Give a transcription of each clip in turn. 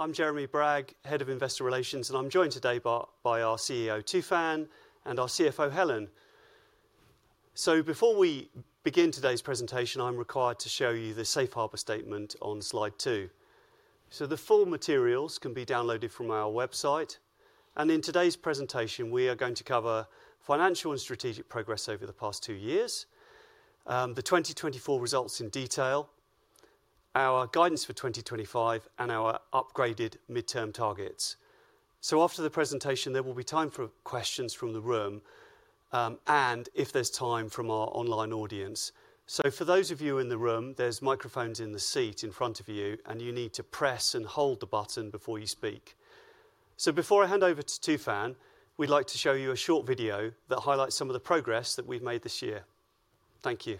I'm Jeremy Bragg, Head of Investor Relations, and I'm joined today by our CEO Tufan and our CFO Helen. Before we begin today's presentation, I'm required to show you the Safe Harbor Statement on slide two. The full materials can be downloaded from our website. In today's presentation, we are going to cover financial and strategic progress over the past two years, the 2024 results in detail, our guidance for 2025, and our upgraded midterm targets. After the presentation, there will be time for questions from the room and, if there's time, from our online audience. For those of you in the room, there's microphones in the seat in front of you, and you need to press and hold the button before you speak. So before I hand over to Tufan, we'd like to show you a short video that highlights some of the progress that we've made this year. Thank you.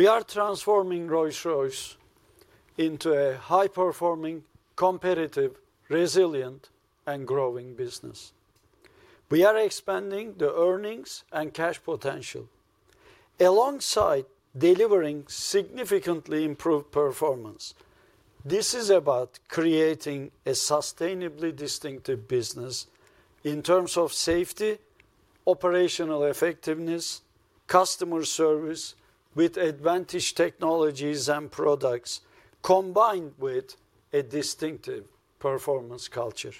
Good morning. We are transforming Rolls-Royce into a high-performing, competitive, resilient, and growing business. We are expanding the earnings and cash potential alongside delivering significantly improved performance. This is about creating a sustainably distinctive business in terms of safety, operational effectiveness, customer service with advanced technologies and products combined with a distinctive performance culture.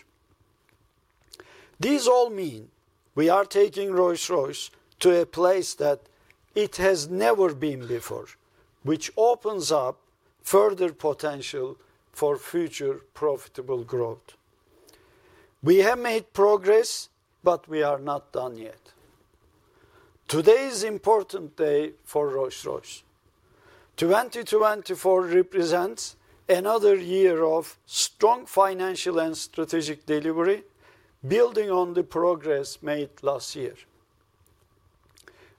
These all mean we are taking Rolls-Royce to a place that it has never been before, which opens up further potential for future profitable growth. We have made progress, but we are not done yet. Today is an important day for Rolls-Royce. 2024 represents another year of strong financial and strategic delivery, building on the progress made last year.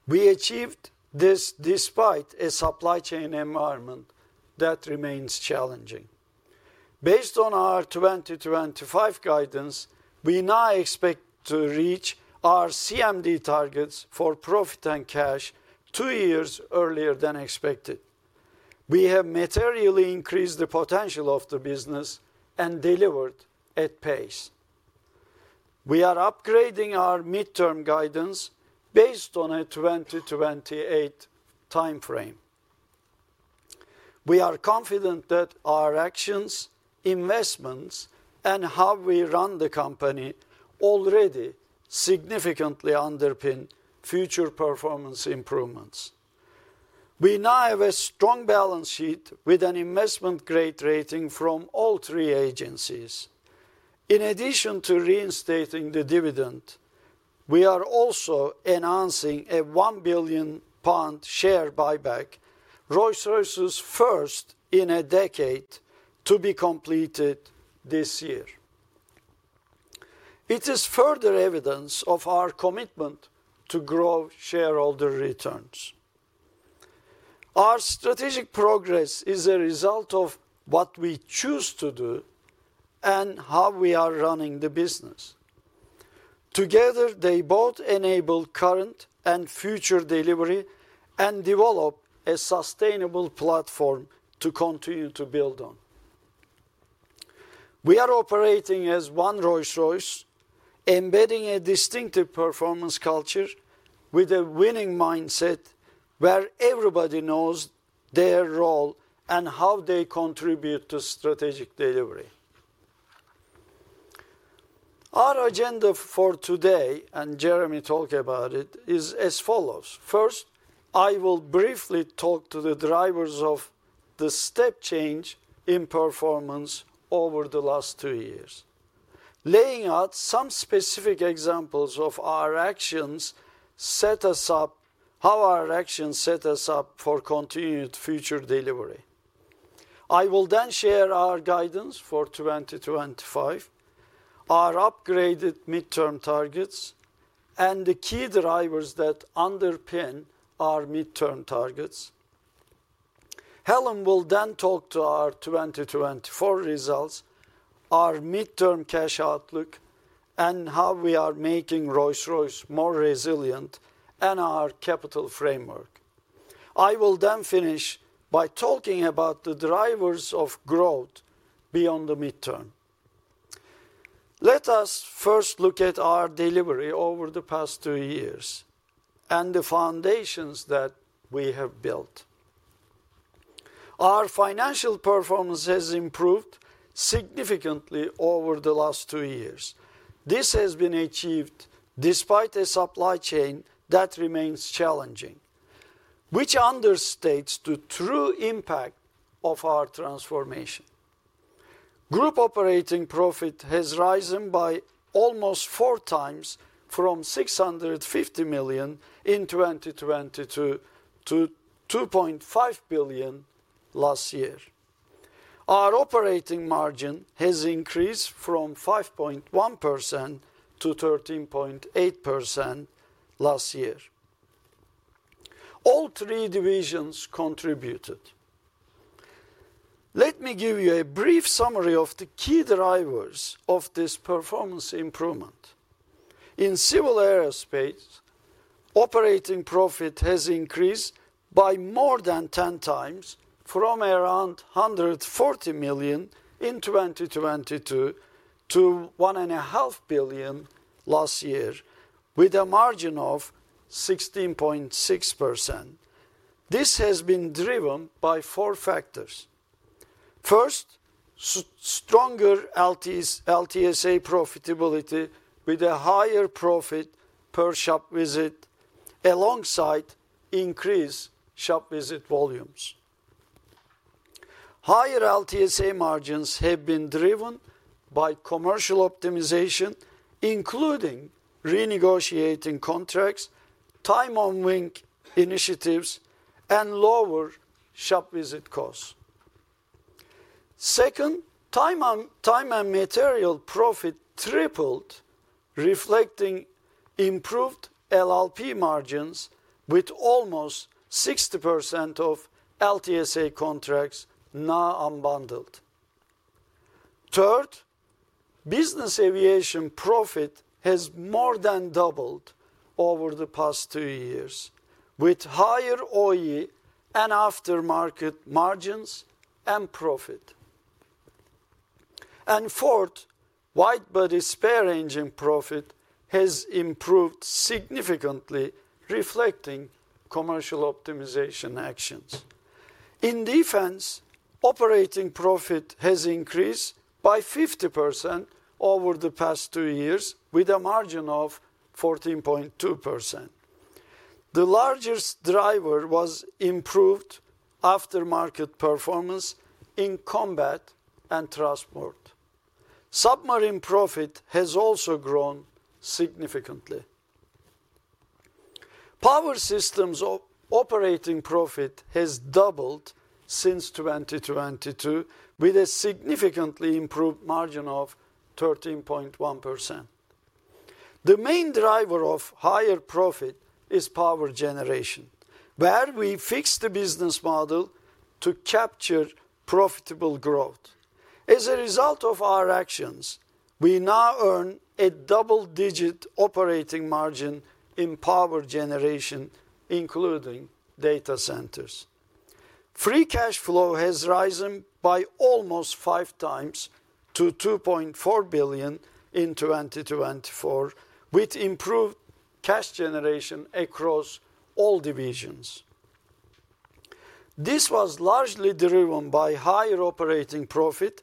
We achieved this despite a supply chain environment that remains challenging. Based on our 2025 guidance, we now expect to reach our CMD targets for profit and cash two years earlier than expected. We have materially increased the potential of the business and delivered at pace. We are upgrading our midterm guidance based on a 2028 timeframe. We are confident that our actions, investments, and how we run the company already significantly underpin future performance improvements. We now have a strong balance sheet with an investment grade rating from all three agencies. In addition to reinstating the dividend, we are also announcing a 1 billion pound share buyback, Rolls-Royce's first in a decade, to be completed this year. It is further evidence of our commitment to grow shareholder returns. Our strategic progress is a result of what we choose to do and how we are running the business. Together, they both enable current and future delivery and develop a sustainable platform to continue to build on. We are operating as one Rolls-Royce, embedding a distinctive performance culture with a winning mindset where everybody knows their role and how they contribute to strategic delivery. Our agenda for today, and Jeremy talked about it, is as follows. First, I will briefly talk to the drivers of the step change in performance over the last two years, laying out some specific examples of how our actions set us up for continued future delivery. I will then share our guidance for 2025, our upgraded midterm targets, and the key drivers that underpin our midterm targets. Helen will then talk to our 2024 results, our midterm cash outlook, and how we are making Rolls-Royce more resilient and our capital framework. I will then finish by talking about the drivers of growth beyond the midterm. Let us first look at our delivery over the past two years and the foundations that we have built. Our financial performance has improved significantly over the last two years. This has been achieved despite a supply chain that remains challenging, which understates the true impact of our transformation. Group operating profit has risen by almost four times from 650 million in 2022 to 2.5 billion last year. Our operating margin has increased from 5.1% to 13.8% last year. All three divisions contributed. Let me give you a brief summary of the key drivers of this performance improvement. In Civil Aerospace, operating profit has increased by more than ten times from around 140 million in 2022 to 1.5 billion last year, with a margin of 16.6%. This has been driven by four factors. First, stronger LTSA profitability with a higher profit per shop visit, alongside increased shop visit volumes. Higher LTSA margins have been driven by commercial optimization, including renegotiating contracts, time on wing initiatives, and lower shop visit costs. Second, time and material profit tripled, reflecting improved LLP margins with almost 60% of LTSA contracts now unbundled. Third, Business Aviation profit has more than doubled over the past two years, with higher OE and aftermarket margins and profit. And fourth, widebody spare engine profit has improved significantly, reflecting commercial optimization actions. In Defence, operating profit has increased by 50% over the past two years, with a margin of 14.2%. The largest driver was improved aftermarket performance in Combat and Transport. Submarine profit has also grown significantly. Power Systems operating profit has doubled since 2022, with a significantly improved margin of 13.1%. The main driver of higher profit is Power Generation, where we fixed the business model to capture profitable growth. As a result of our actions, we now earn a double-digit operating margin in Power Generation, including data centers. Free cash flow has risen by almost five times to 2.4 billion in 2024, with improved cash generation across all divisions. This was largely driven by higher operating profit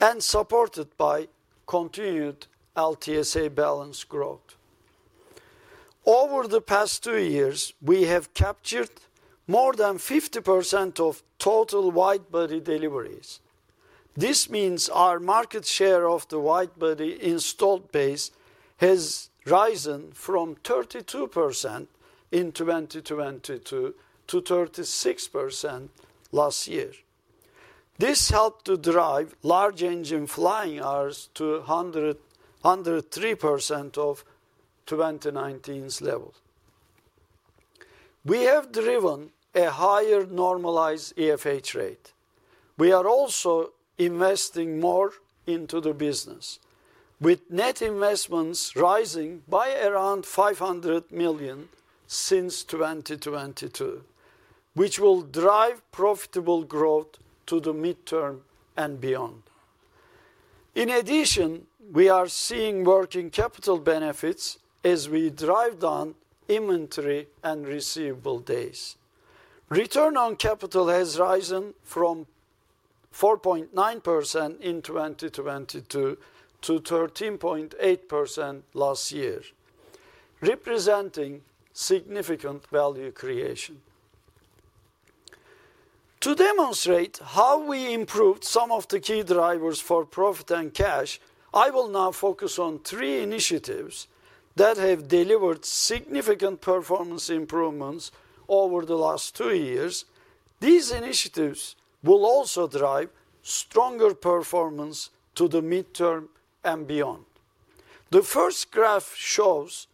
and supported by continued LTSA balance growth. Over the past two years, we have captured more than 50% of total widebody deliveries. This means our market share of the widebody installed base has risen from 32% in 2022 to 36% last year. This helped to drive large engine flying hours to 103% of 2019's level. We have driven a higher normalized EFH rate. We are also investing more into the business, with net investments rising by around 500 million since 2022, which will drive profitable growth to the midterm and beyond. In addition, we are seeing working capital benefits as we drive down inventory and receivable days. Return on capital has risen from 4.9% in 2022 to 13.8% last year, representing significant value creation. To demonstrate how we improved some of the key drivers for profit and cash, I will now focus on three initiatives that have delivered significant performance improvements over the last two years. These initiatives will also drive stronger performance to the midterm and beyond. The first graph shows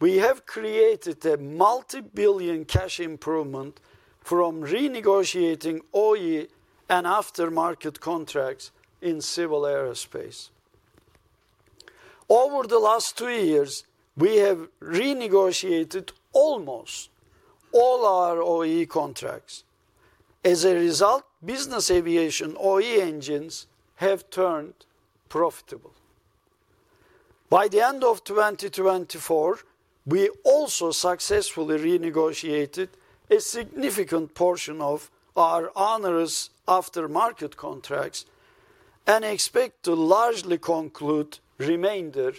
we have created a multi-billion cash improvement from renegotiating OE and aftermarket contracts in Civil Aerospace. Over the last two years, we have renegotiated almost all our OE contracts. As a result, Business Aviation OE engines have turned profitable. By the end of 2024, we also successfully renegotiated a significant portion of our onerous aftermarket contracts and expect to largely conclude the remainder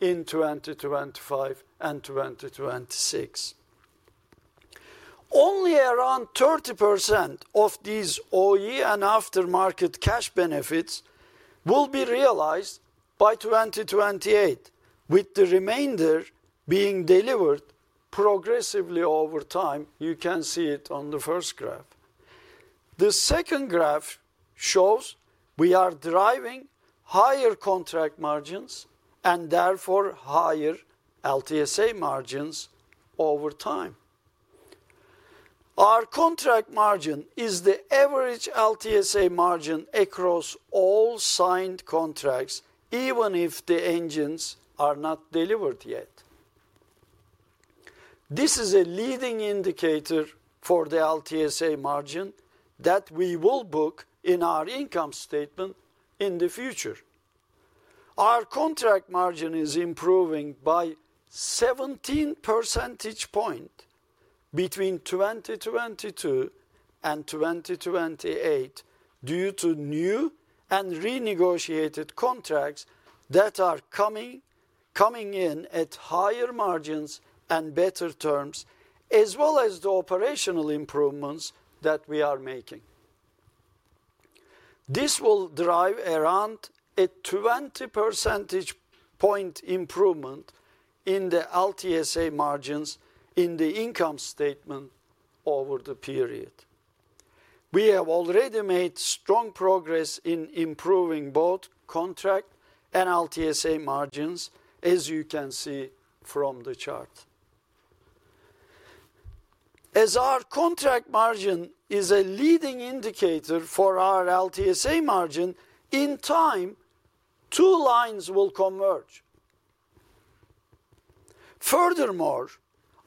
in 2025 and 2026. Only around 30% of these OE and aftermarket cash benefits will be realized by 2028, with the remainder being delivered progressively over time. You can see it on the first graph. The second graph shows we are driving higher contract margins and therefore higher LTSA margins over time. Our contract margin is the average LTSA margin across all signed contracts, even if the engines are not delivered yet. This is a leading indicator for the LTSA margin that we will book in our income statement in the future. Our contract margin is improving by 17 percentage points between 2022 and 2028 due to new and renegotiated contracts that are coming in at higher margins and better terms, as well as the operational improvements that we are making. This will drive around a 20 percentage point improvement in the LTSA margins in the income statement over the period. We have already made strong progress in improving both contract and LTSA margins, as you can see from the chart. As our contract margin is a leading indicator for our LTSA margin, in time, two lines will converge. Furthermore,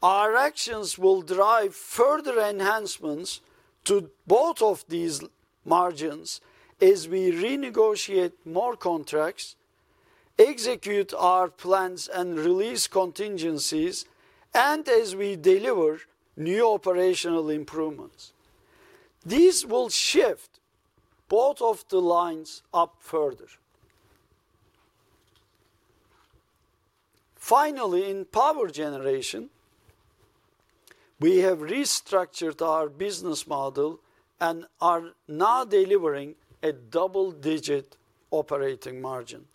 our actions will drive further enhancements to both of these margins as we renegotiate more contracts, execute our plans and release contingencies, and as we deliver new operational improvements. These will shift both of the lines up further. Finally, in Power Generation, we have restructured our business model and are now delivering a double-digit operating margin.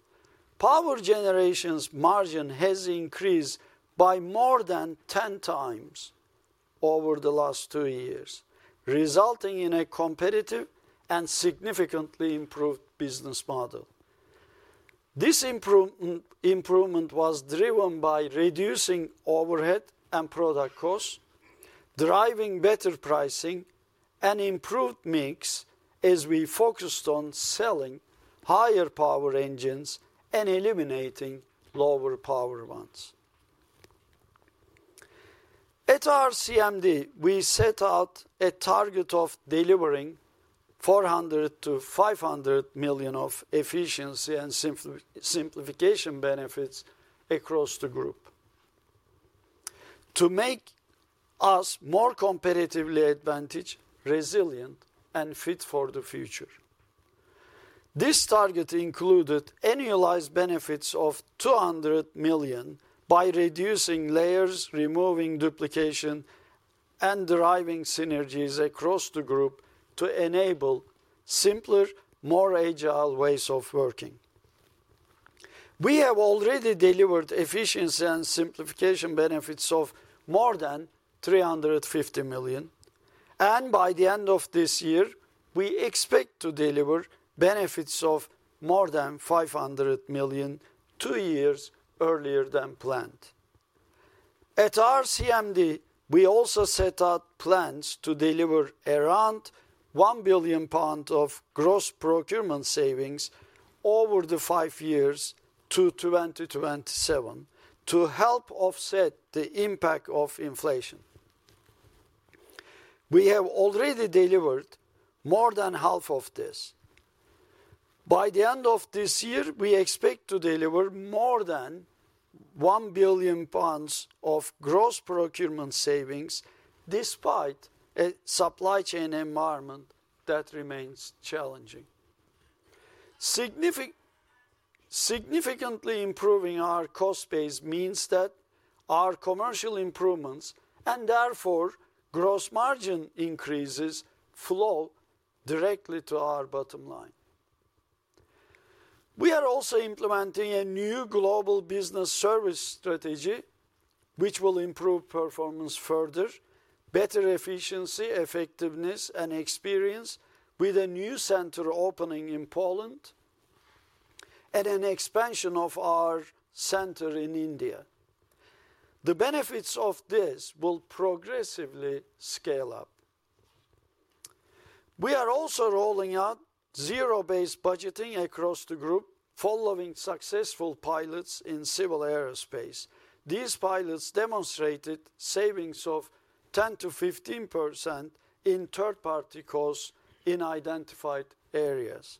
Power Generation's margin has increased by more than ten times over the last two years, resulting in a competitive and significantly improved business model. This improvement was driven by reducing overhead and product costs, driving better pricing, and improved mix as we focused on selling higher power engines and eliminating lower power ones. At our CMD, we set out a target of delivering 400 million-500 million of efficiency and simplification benefits across the group to make us more competitively advantaged, resilient, and fit for the future. This target included annualized benefits of 200 million by reducing layers, removing duplication, and driving synergies across the group to enable simpler, more agile ways of working. We have already delivered efficiency and simplification benefits of more than 350 million, and by the end of this year, we expect to deliver benefits of more than 500 million two years earlier than planned. At our CMD, we also set out plans to deliver around 1 billion pounds of gross procurement savings over the five years to 2027 to help offset the impact of inflation. We have already delivered more than half of this. By the end of this year, we expect to deliver more than 1 billion pounds of gross procurement savings despite a supply chain environment that remains challenging. Significantly improving our cost base means that our commercial improvements and therefore gross margin increases flow directly to our bottom line. We are also implementing a new global business service strategy, which will improve performance further, better efficiency, effectiveness, and experience with a new center opening in Poland and an expansion of our center in India. The benefits of this will progressively scale up. We are also rolling out zero-based budgeting across the group following successful pilots in Civil Aerospace. These pilots demonstrated savings of 10%-15% in third-party costs in identified areas.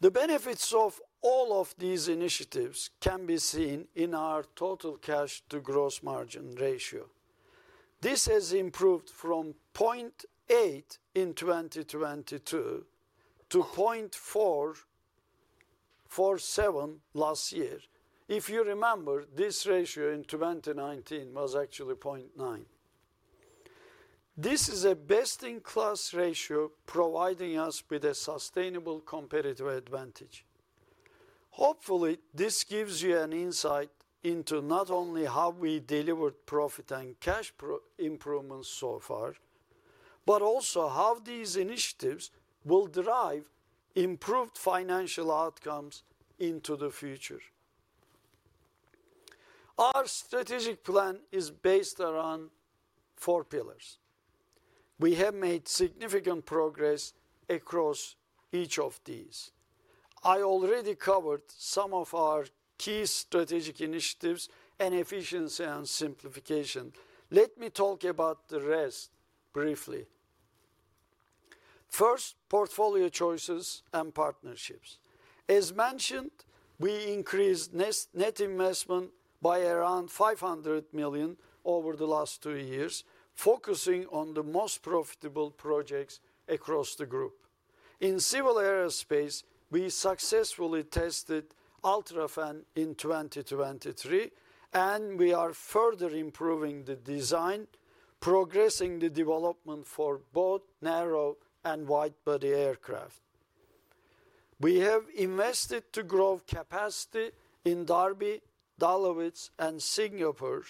The benefits of all of these initiatives can be seen in our total cash to gross margin ratio. This has improved from 0.8 in 2022 to 0.47 last year. If you remember, this ratio in 2019 was actually 0.9. This is a best-in-class ratio providing us with a sustainable competitive advantage. Hopefully, this gives you an insight into not only how we delivered profit and cash improvements so far, but also how these initiatives will drive improved financial outcomes into the future. Our strategic plan is based around four pillars. We have made significant progress across each of these. I already covered some of our key strategic initiatives and efficiency and simplification. Let me talk about the rest briefly. First, portfolio choices and partnerships. As mentioned, we increased net investment by around 500 million over the last two years, focusing on the most profitable projects across the group. In Civil Aerospace, we successfully tested UltraFan in 2023, and we are further improving the design, progressing the development for both narrow and widebody aircraft. We have invested to grow capacity in Derby, Dahlewitz, and Singapore,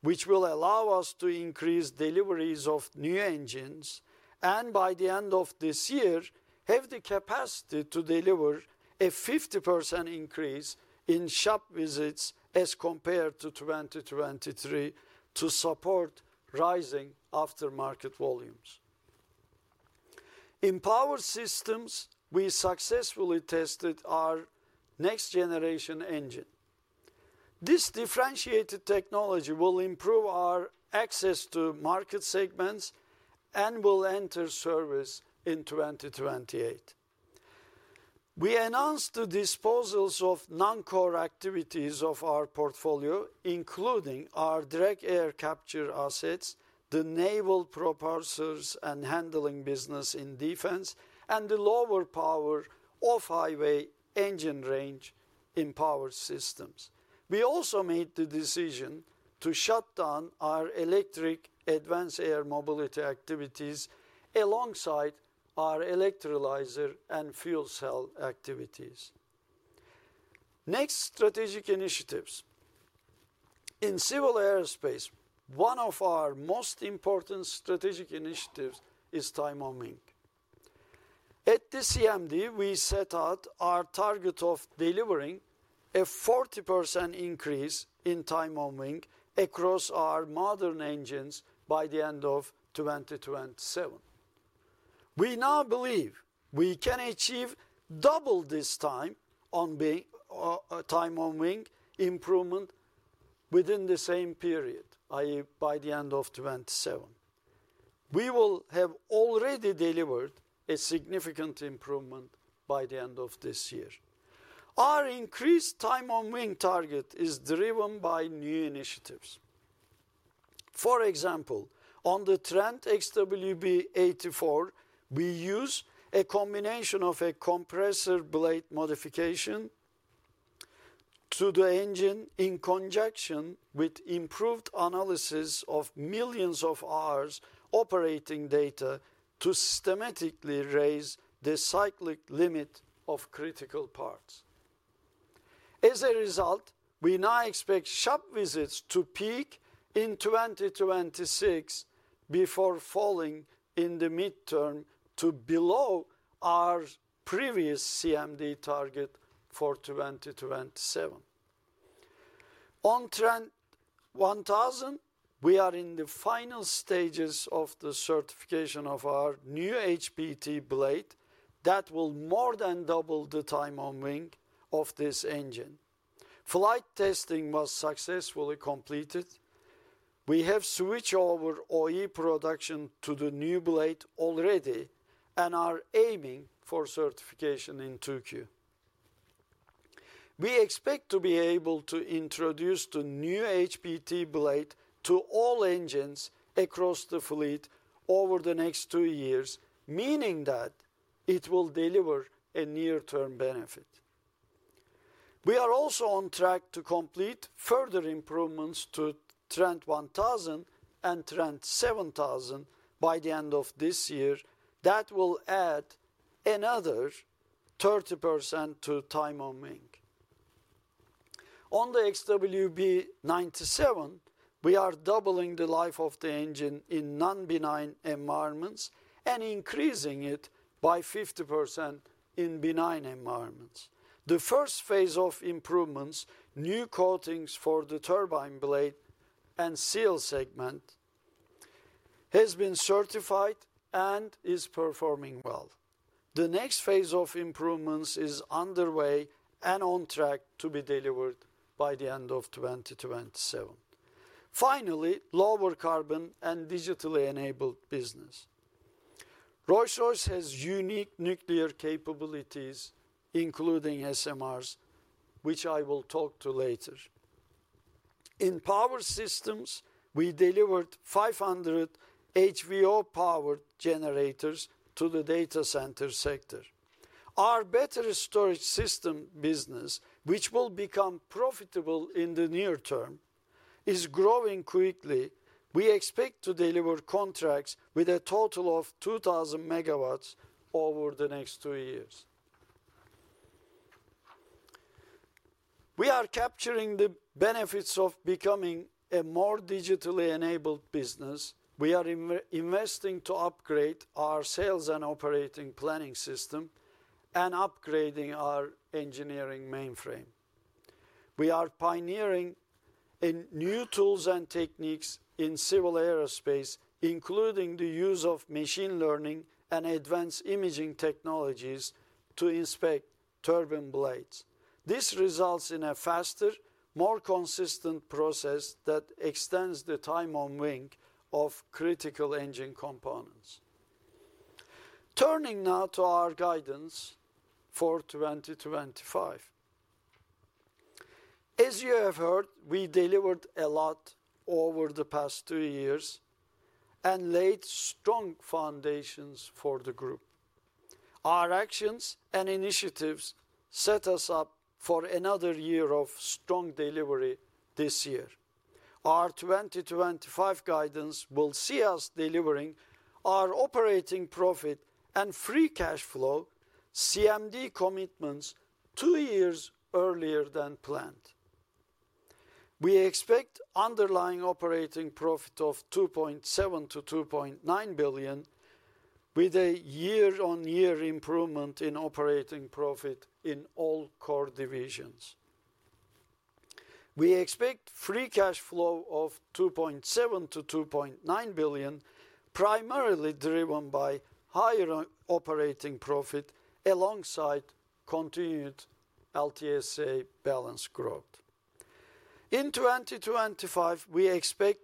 which will allow us to increase deliveries of new engines and, by the end of this year, have the capacity to deliver a 50% increase in shop visits as compared to 2023 to support rising aftermarket volumes. In Power Systems, we successfully tested our next-generation engine. This differentiated technology will improve our access to market segments and will enter service in 2028. We announced the disposals of non-core activities of our portfolio, including our direct air capture assets, the naval propulsors and handling business in Defence, and the lower power off-highway engine range in Power Systems. We also made the decision to shut down our electric advanced air mobility activities alongside our electrolyzer and fuel cell activities. Next, strategic initiatives. In Civil Aerospace, one of our most important strategic initiatives is time on wing. At the CMD, we set out our target of delivering a 40% increase in time on wing across our modern engines by the end of 2027. We now believe we can achieve double this time on wing improvement within the same period, i.e., by the end of 2027. We will have already delivered a significant improvement by the end of this year. Our increased time on wing target is driven by new initiatives. For example, on the Trent XWB-84, we use a combination of a compressor blade modification to the engine in conjunction with improved analysis of millions of hours operating data to systematically raise the cyclic limit of critical parts. As a result, we now expect shop visits to peak in 2026 before falling in the midterm to below our previous CMD target for 2027. On Trent 1000, we are in the final stages of the certification of our new HPT blade that will more than double the time on wing of this engine. Flight testing was successfully completed. We have switched over OE production to the new blade already and are aiming for certification in Tokyo. We expect to be able to introduce the new HPT blade to all engines across the fleet over the next two years, meaning that it will deliver a near-term benefit. We are also on track to complete further improvements to Trent 1000 and Trent 7000 by the end of this year that will add another 30% to time on wing. On the XWB-97, we are doubling the life of the engine in non-benign environments and increasing it by 50% in benign environments. The first phase of improvements, new coatings for the turbine blade and seal segment, has been certified and is performing well. The next phase of improvements is underway and on track to be delivered by the end of 2027. Finally, lower carbon and digitally enabled business. Rolls-Royce has unique nuclear capabilities, including SMRs, which I will talk to later. In Power Systems, we delivered 500 HVO-powered generators to the data center sector. Our battery storage system business, which will become profitable in the near term, is growing quickly. We expect to deliver contracts with a total of 2,000 megawatts over the next two years. We are capturing the benefits of becoming a more digitally enabled business. We are investing to upgrade our sales and operating planning system and upgrading our engineering mainframe. We are pioneering new tools and techniques in Civil Aerospace, including the use of machine learning and advanced imaging technologies to inspect turbine blades. This results in a faster, more consistent process that extends the time on wing of critical engine components. Turning now to our guidance for 2025. As you have heard, we delivered a lot over the past two years and laid strong foundations for the group. Our actions and initiatives set us up for another year of strong delivery this year. Our 2025 guidance will see us delivering our operating profit and free cash flow CMD commitments two years earlier than planned. We expect underlying operating profit of 2.7-2.9 billion, with a year-on-year improvement in operating profit in all core divisions. We expect free cash flow of 2.7-2.9 billion, primarily driven by higher operating profit alongside continued LTSA balance growth. In 2025, we expect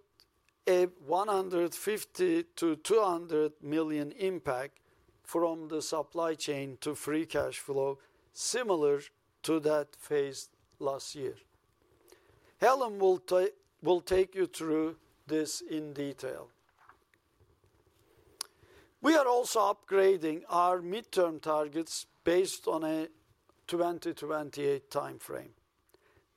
a 150 million-200 million impact from the supply chain to free cash flow, similar to that phased last year. Helen will take you through this in detail. We are also upgrading our midterm targets based on a 2028 timeframe.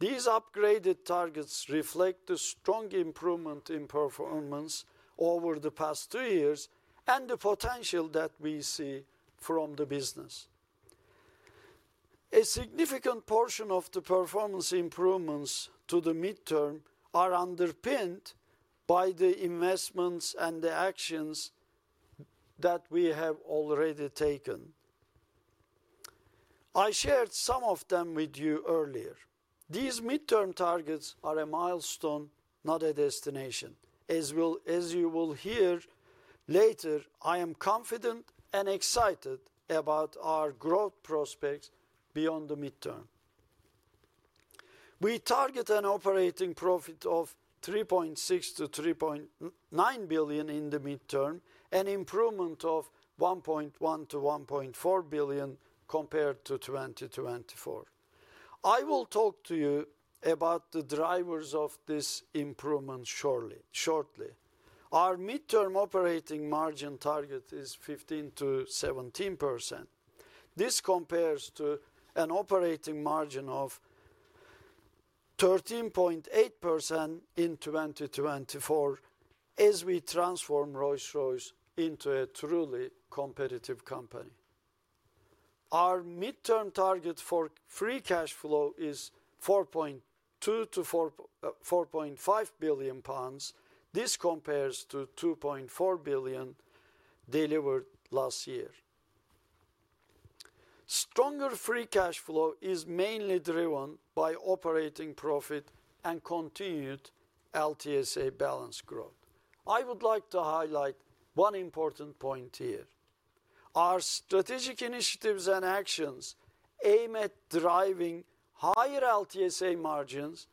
These upgraded targets reflect the strong improvement in performance over the past two years and the potential that we see from the business. A significant portion of the performance improvements to the midterm are underpinned by the investments and the actions that we have already taken. I shared some of them with you earlier. These midterm targets are a milestone, not a destination. As you will hear later, I am confident and excited about our growth prospects beyond the midterm. We target an operating profit of 3.6 billion-3.9 billion in the midterm and improvement of 1.1 billion-1.4 billion compared to 2024. I will talk to you about the drivers of this improvement shortly. Our midterm operating margin target is 15%-17%. This compares to an operating margin of 13.8% in 2024 as we transform Rolls-Royce into a truly competitive company. Our midterm target for free cash flow is 4.2-4.5 billion pounds. This compares to 2.4 billion delivered last year. Stronger free cash flow is mainly driven by operating profit and continued LTSA balance growth. I would like to highlight one important point here. Our strategic initiatives and actions aim at driving higher LTSA margins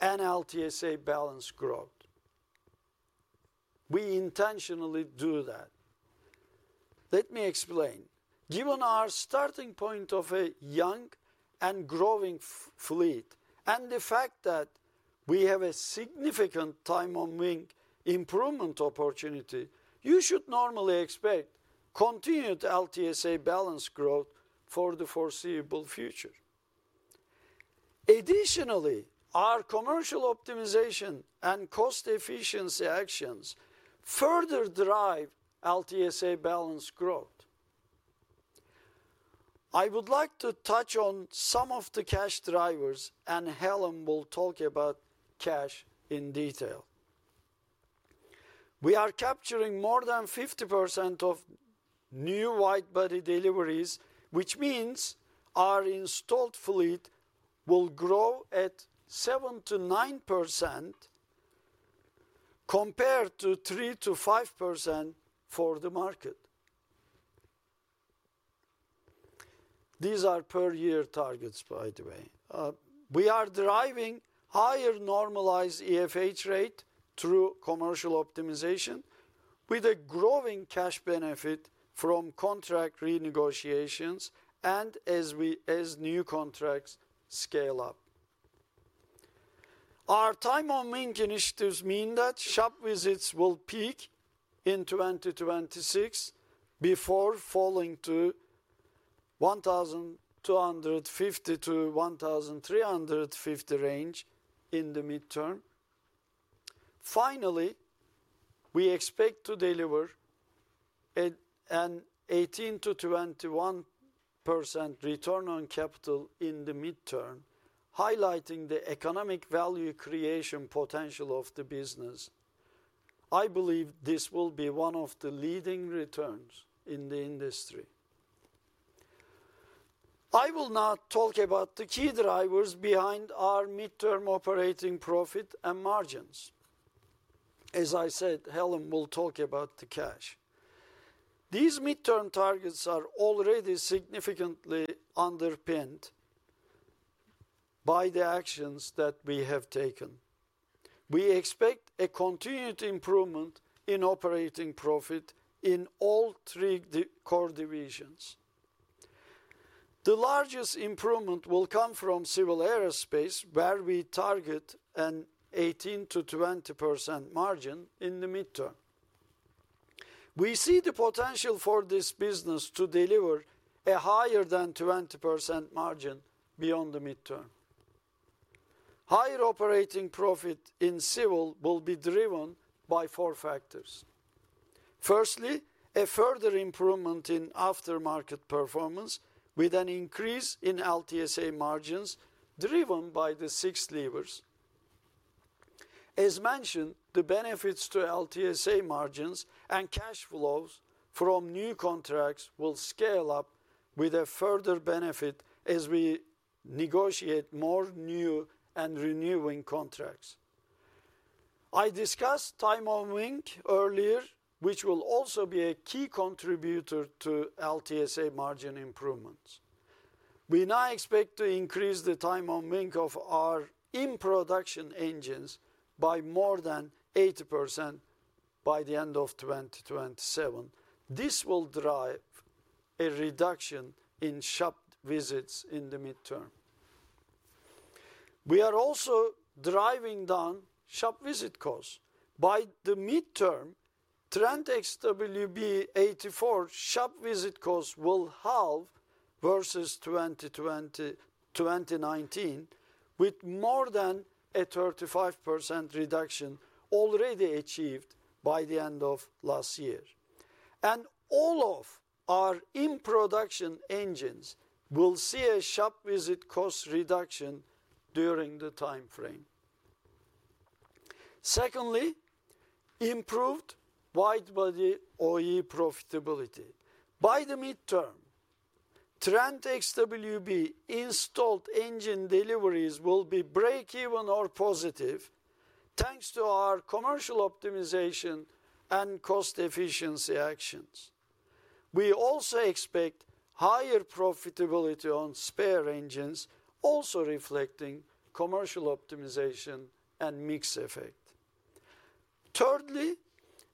and LTSA balance growth. We intentionally do that. Let me explain. Given our starting point of a young and growing fleet and the fact that we have a significant time on wing improvement opportunity, you should normally expect continued LTSA balance growth for the foreseeable future. Additionally, our commercial optimization and cost efficiency actions further drive LTSA balance growth. I would like to touch on some of the cash drivers, and Helen will talk about cash in detail. We are capturing more than 50% of new widebody deliveries, which means our installed fleet will grow at 7%-9% compared to 3%-5% for the market. These are per-year targets, by the way. We are driving higher normalized EFH rate through commercial optimization, with a growing cash benefit from contract renegotiations and as new contracts scale up. Our Time on Wing initiatives mean that shop visits will peak in 2026 before falling to 1,250-1,350 range in the midterm. Finally, we expect to deliver an 18%-21% return on capital in the midterm, highlighting the economic value creation potential of the business. I believe this will be one of the leading returns in the industry. I will now talk about the key drivers behind our midterm operating profit and margins. As I said, Helen will talk about the cash. These midterm targets are already significantly underpinned by the actions that we have taken. We expect a continued improvement in operating profit in all three core divisions. The largest improvement will come from Civil Aerospace, where we target an 18%-20% margin in the midterm. We see the potential for this business to deliver a higher than 20% margin beyond the midterm. Higher operating profit in Civil will be driven by four factors. Firstly, a further improvement in aftermarket performance with an increase in LTSA margins driven by the six levers. As mentioned, the benefits to LTSA margins and cash flows from new contracts will scale up with a further benefit as we negotiate more new and renewing contracts. I discussed time on wing earlier, which will also be a key contributor to LTSA margin improvements. We now expect to increase the time on wing of our in-production engines by more than 80% by the end of 2027. This will drive a reduction in shop visits in the midterm. We are also driving down shop visit costs. By the midterm, Trent XWB-84 shop visit costs will halve versus 2019, with more than a 35% reduction already achieved by the end of last year. And all of our in-production engines will see a shop visit cost reduction during the timeframe. Secondly, improved widebody OE profitability. By the midterm, Trent XWB installed engine deliveries will be break-even or positive thanks to our commercial optimization and cost efficiency actions. We also expect higher profitability on spare engines, also reflecting commercial optimization and mixed effect. Thirdly,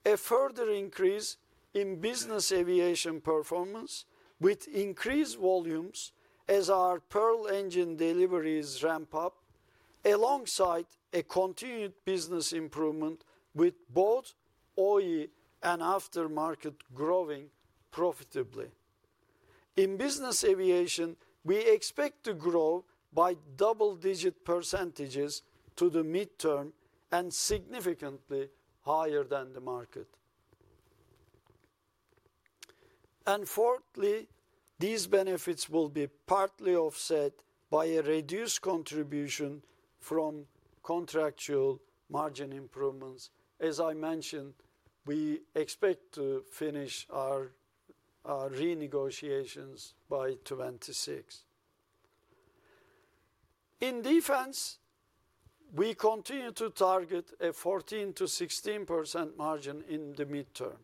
a further increase in Business Aviation performance with increased volumes as our Pearl engine deliveries ramp up, alongside a continued business improvement with both OE and aftermarket growing profitably. In Business Aviation, we expect to grow by double-digit percentages to the midterm and significantly higher than the market. And fourthly, these benefits will be partly offset by a reduced contribution from contractual margin improvements. As I mentioned, we expect to finish our renegotiations by 2026. In Defence, we continue to target a 14%-16% margin in the midterm.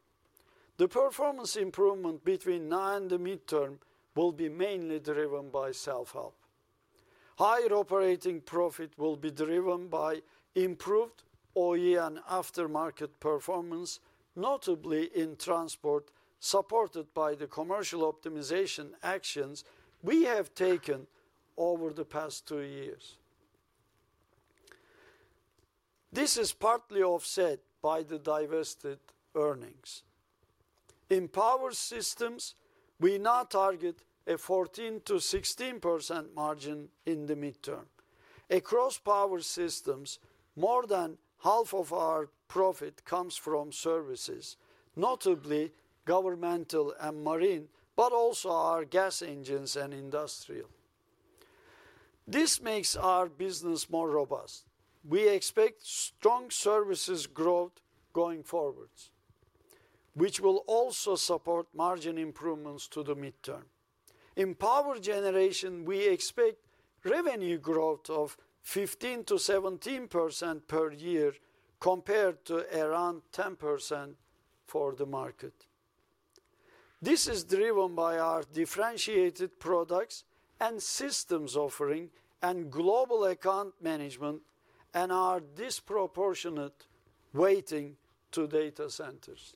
The performance improvement between now and the midterm will be mainly driven by self-help. Higher operating profit will be driven by improved OE and aftermarket performance, notably in Transport, supported by the commercial optimization actions we have taken over the past two years. This is partly offset by the divested earnings. In Power Systems, we now target a 14%-16% margin in the midterm. Across Power Systems, more than half of our profit comes from services, notably Governmental and Marine, but also our gas engines and Governmental. This makes our business more robust. We expect strong services growth going forwards, which will also support margin improvements to the midterm. In Power Generation, we expect revenue growth of 15%-17% per year compared to around 10% for the market. This is driven by our differentiated products and systems offering and global account management and our disproportionate weighting to data centers.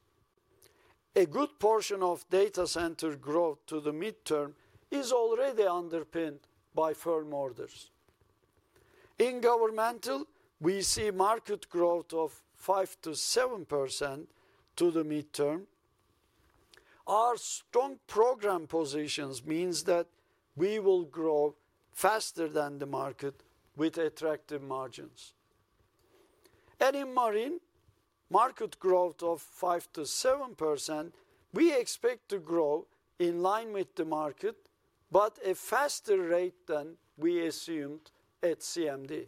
A good portion of data center growth to the midterm is already underpinned by firm orders. In government, we see market growth of 5%-7% to the midterm. Our strong program positions mean that we will grow faster than the market with attractive margins. And in Marine, market growth of 5%-7%, we expect to grow in line with the market, but at a faster rate than we assumed at CMD.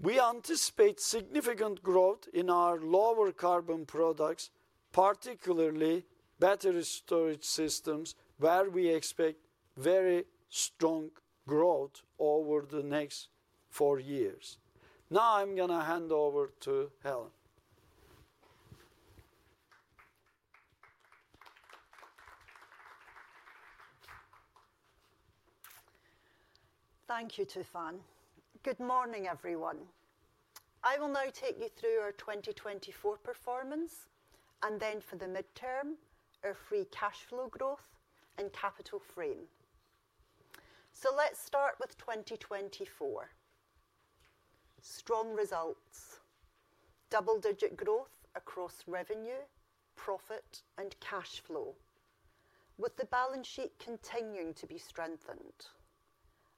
We anticipate significant growth in our lower carbon products, particularly battery storage systems, where we expect very strong growth over the next four years. Now I'm going to hand over to Helen. Thank you, Tufan. Good morning, everyone. I will now take you through our 2024 performance and then for the midterm, our free cash flow growth and capital frame. So let's start with 2024. Strong results. Double-digit growth across revenue, profit, and cash flow, with the balance sheet continuing to be strengthened,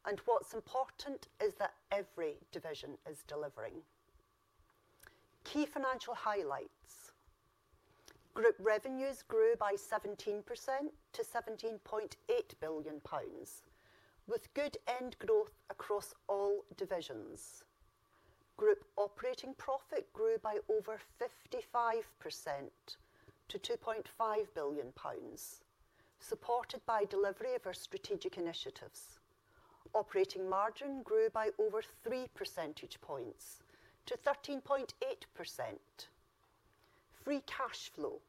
and what's important is that every division is delivering. Key financial highlights. Group revenues grew by 17% to 17.8 billion pounds, with good end growth across all divisions. Group operating profit grew by over 55% to 2.5 billion pounds, supported by delivery of our strategic initiatives. Operating margin grew by over 3 percentage points to 13.8%. Free cash flow,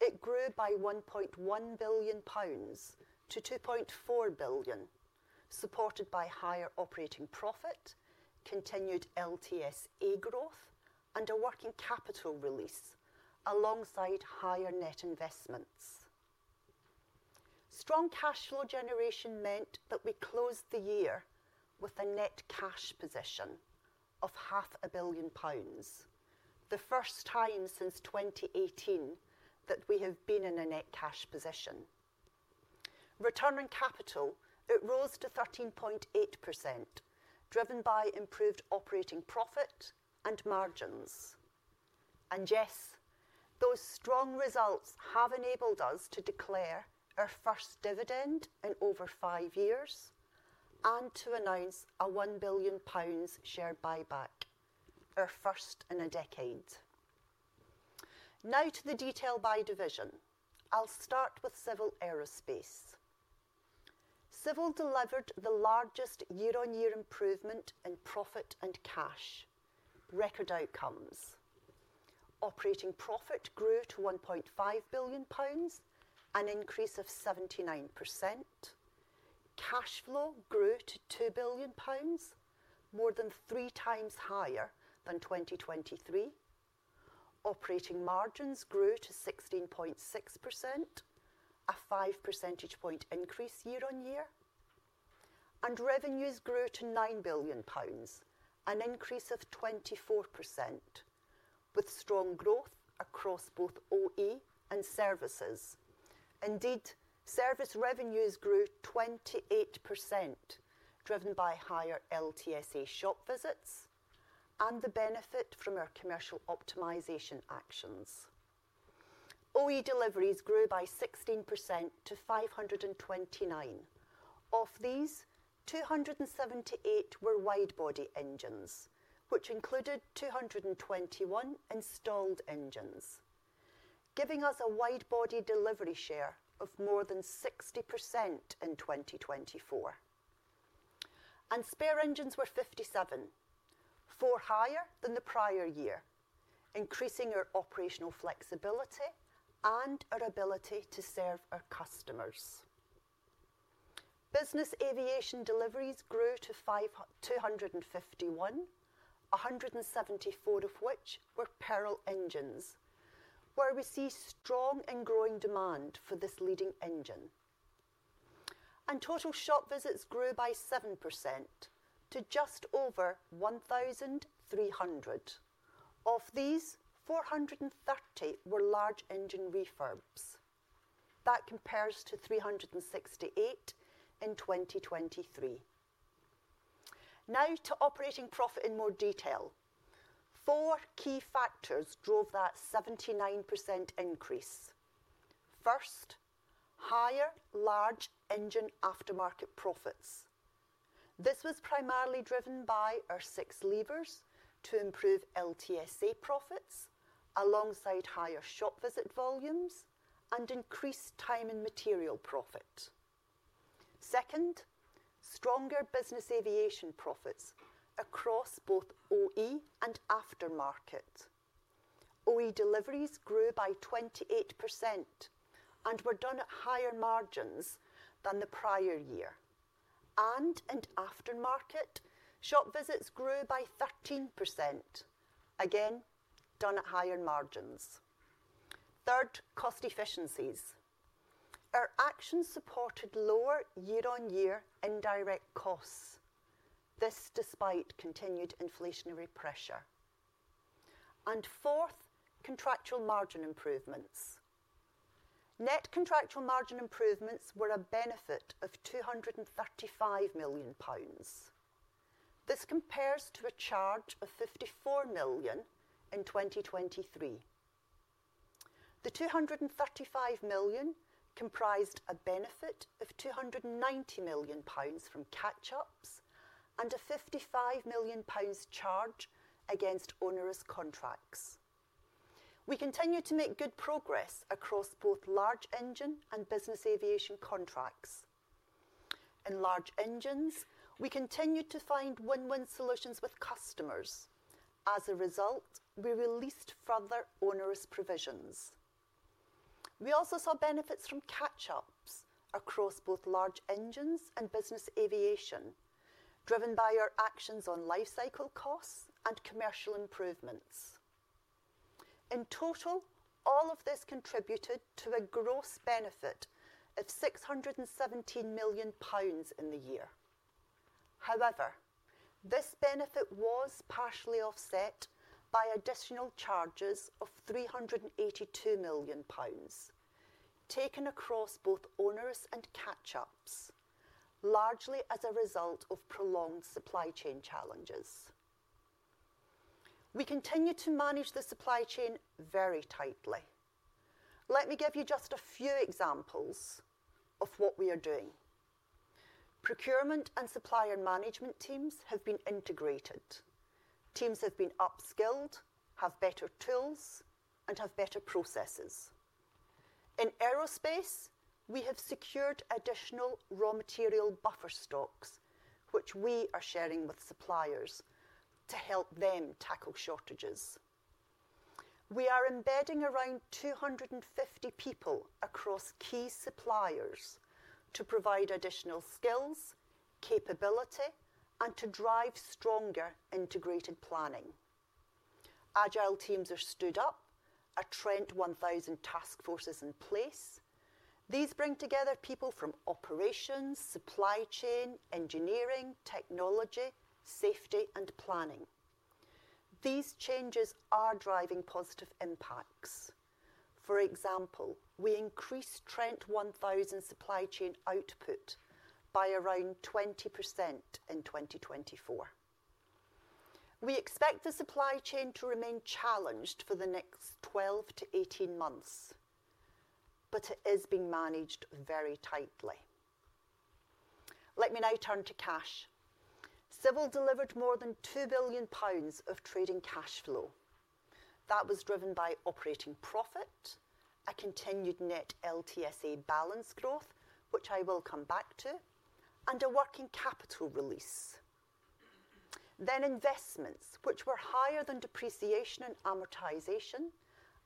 it grew by 1.1 billion pounds to 2.4 billion, supported by higher operating profit, continued LTSA growth, and a working capital release alongside higher net investments. Strong cash flow generation meant that we closed the year with a net cash position of 500 million pounds, the first time since 2018 that we have been in a net cash position. Return on capital, it rose to 13.8%, driven by improved operating profit and margins. And yes, those strong results have enabled us to declare our first dividend in over five years and to announce a 1 billion pounds share buyback, our first in a decade. Now to the detail by division. I'll start with Civil Aerospace. Civil delivered the largest year-on-year improvement in profit and cash, record outcomes. Operating profit grew to 1.5 billion pounds, an increase of 79%. Cash flow grew to 2 billion pounds, more than three times higher than 2023. Operating margins grew to 16.6%, a five percentage point increase year-on-year. And revenues grew to 9 billion pounds, an increase of 24%, with strong growth across both OE and services. Indeed, service revenues grew 28%, driven by higher LTSA shop visits and the benefit from our commercial optimization actions. OE deliveries grew by 16% to 529. Of these, 278 were widebody engines, which included 221 installed engines, giving us a widebody delivery share of more than 60% in 2024. And spare engines were 57, four higher than the prior year, increasing our operational flexibility and our ability to serve our customers. Business Aviation deliveries grew to 251, 174 of which were Pearl engines, where we see strong and growing demand for this leading engine. And total shop visits grew by 7% to just over 1,300. Of these, 430 were large engine refurbs. That compares to 368 in 2023. Now to operating profit in more detail. Four key factors drove that 79% increase. First, higher large engine aftermarket profits. This was primarily driven by our six levers to improve LTSA profits alongside higher shop visit volumes and increased time and material profit. Second, stronger Business Aviation profits across both OE and aftermarket. OE deliveries grew by 28% and were done at higher margins than the prior year. And in aftermarket, shop visits grew by 13%, again done at higher margins. Third, cost efficiencies. Our actions supported lower year-on-year indirect costs, this despite continued inflationary pressure. And fourth, contractual margin improvements. Net contractual margin improvements were a benefit of 235 million pounds. This compares to a charge of 54 million in 2023. The 235 million comprised a benefit of 290 million pounds from catch-ups and a 55 million pounds charge against onerous contracts. We continue to make good progress across both large engine and Business Aviation contracts. In large engines, we continue to find win-win solutions with customers. As a result, we released further onerous provisions. We also saw benefits from catch-ups across both large engines and Business Aviation, driven by our actions on lifecycle costs and commercial improvements. In total, all of this contributed to a gross benefit of 617 million pounds in the year. However, this benefit was partially offset by additional charges of 382 million pounds, taken across both onerous and catch-ups, largely as a result of prolonged supply chain challenges. We continue to manage the supply chain very tightly. Let me give you just a few examples of what we are doing. Procurement and supplier management teams have been integrated. Teams have been upskilled, have better tools, and have better processes. In aerospace, we have secured additional raw material buffer stocks, which we are sharing with suppliers to help them tackle shortages. We are embedding around 250 people across key suppliers to provide additional skills, capability, and to drive stronger integrated planning. Agile teams are stood up, a Trent 1000 task force is in place. These bring together people from operations, supply chain, engineering, technology, safety, and planning. These changes are driving positive impacts. For example, we increased Trent 1000 supply chain output by around 20% in 2024. We expect the supply chain to remain challenged for the next 12 to 18 months, but it is being managed very tightly. Let me now turn to cash. Civil delivered more than 2 billion pounds of trading cash flow. That was driven by operating profit, a continued net LTSA balance growth, which I will come back to, and a working capital release. Then investments, which were higher than depreciation and amortization,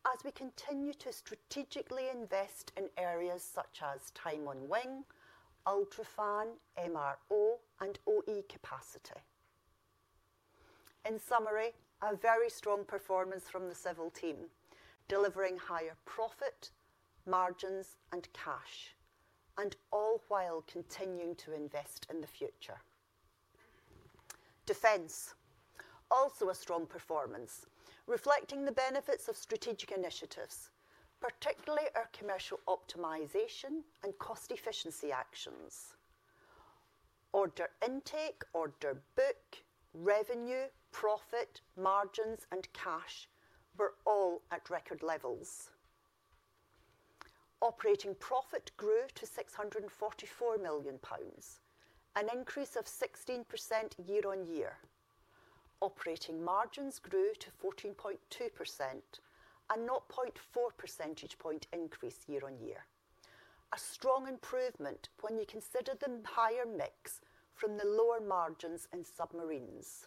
as we continue to strategically invest in areas such as time on wing, UltraFan, MRO, and OE capacity. In summary, a very strong performance from the Civil team, delivering higher profit, margins, and cash, and all while continuing to invest in the future. Defence, also a strong performance, reflecting the benefits of strategic initiatives, particularly our commercial optimization and cost efficiency actions. Order intake, order book, revenue, profit, margins, and cash were all at record levels. Operating profit grew to 644 million pounds, an increase of 16% year-on-year. Operating margins grew to 14.2%, a 0.4 percentage point increase year-on-year. A strong improvement when you consider the higher mix from the lower margins in Submarines.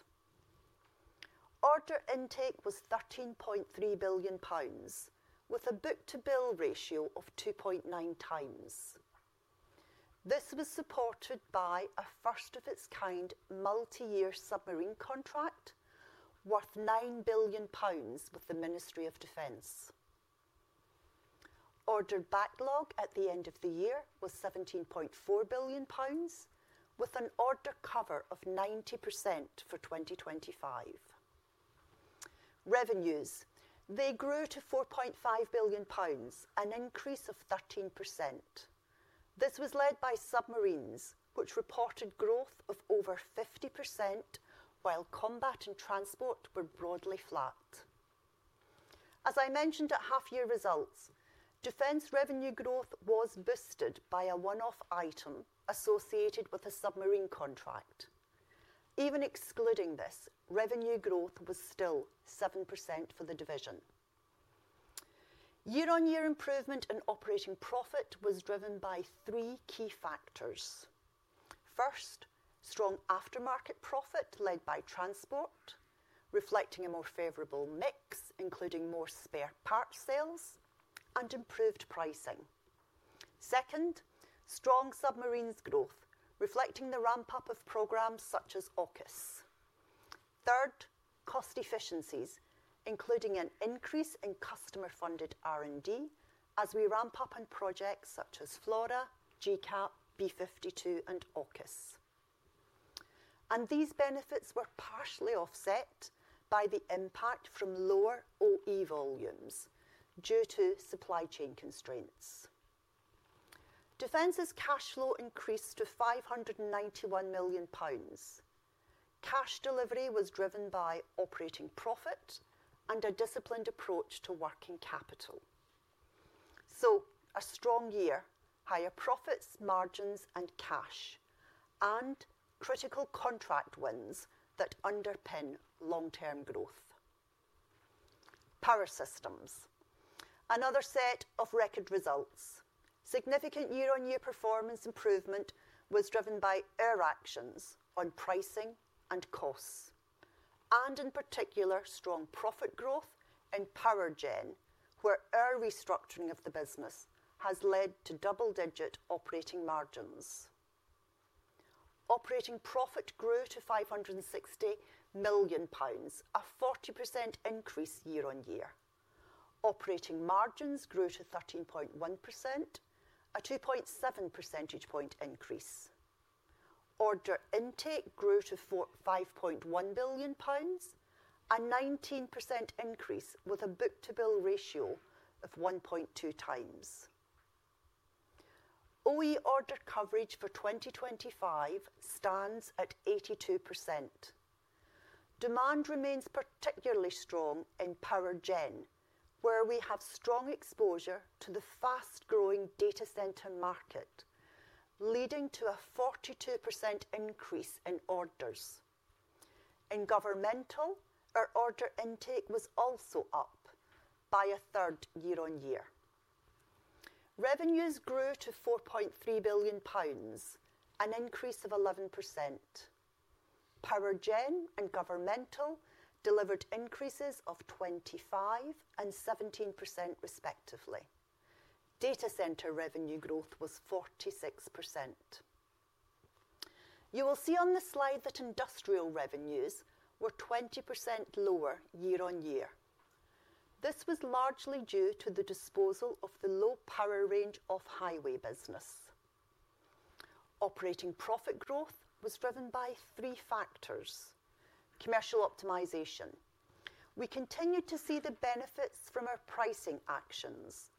Order intake was 13.3 billion pounds, with a book-to-bill ratio of 2.9 times. This was supported by a first-of-its-kind multi-year Submarine contract worth 9 billion pounds with the UK Ministry of Defence. Order backlog at the end of the year was 17.4 billion pounds, with an order cover of 90% for 2025. Revenues, they grew to 4.5 billion pounds, an increase of 13%. This was led by Submarines, which reported growth of over 50%, while Combat and Transport were broadly flat. As I mentioned at half-year results, Defence revenue growth was boosted by a one-off item associated with a Submarine contract. Even excluding this, revenue growth was still 7% for the division. Year-on-year improvement in operating profit was driven by three key factors. First, strong aftermarket profit led by Transport, reflecting a more favorable mix, including more spare part sales and improved pricing. Second, strong Submarines growth, reflecting the ramp-up of programs such as AUKUS. Third, cost efficiencies, including an increase in customer-funded R&D as we ramp up on projects such as FLRAA, GCAP, B-52, and AUKUS. And these benefits were partially offset by the impact from lower OE volumes due to supply chain constraints. Defence's cash flow increased to 591 million pounds. Cash delivery was driven by operating profit and a disciplined approach to working capital. A strong year, higher profits, margins, and cash, and critical contract wins that underpin long-term growth. Power Systems, another set of record results. Significant year-on-year performance improvement was driven by our actions on pricing and costs, and in particular, strong profit growth in PowerGen, where our restructuring of the business has led to double-digit operating margins. Operating profit grew to 560 million pounds, a 40% increase year-on-year. Operating margins grew to 13.1%, a 2.7 percentage point increase. Order intake grew to 5.1 billion pounds, a 19% increase with a book-to-bill ratio of 1.2 times. OE order coverage for 2025 stands at 82%. Demand remains particularly strong in PowerGen, where we have strong exposure to the fast-growing data center market, leading to a 42% increase in orders. In Governmental, our order intake was also up by a third year-on-year. Revenues grew to 4.3 billion pounds, an increase of 11%. PowerGen and Governmental delivered increases of 25% and 17%, respectively. Data center revenue growth was 46%. You will see on the slide that Industrial revenues were 20% lower year-on-year. This was largely due to the disposal of the low power range off-highway business. Operating profit growth was driven by three factors: commercial optimization. We continued to see the benefits from our pricing actions.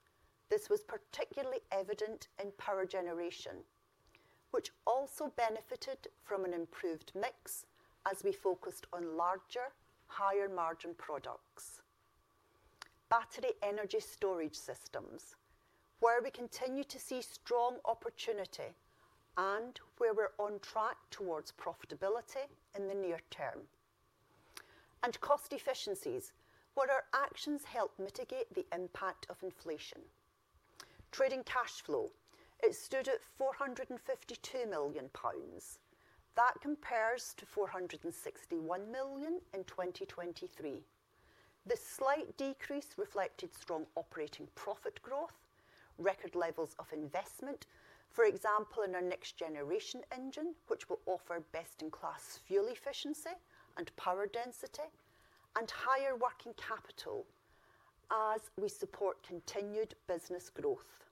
This was particularly evident in Power Generation, which also benefited from an improved mix as we focused on larger, higher margin products. Battery energy storage systems, where we continue to see strong opportunity and where we're on track towards profitability in the near term. And cost efficiencies, where our actions help mitigate the impact of inflation. Trading cash flow: it stood at 452 million pounds. That compares to 461 million in 2023. This slight decrease reflected strong operating profit growth, record levels of investment, for example, in our next generation engine, which will offer best-in-class fuel efficiency and power density, and higher working capital as we support continued business growth.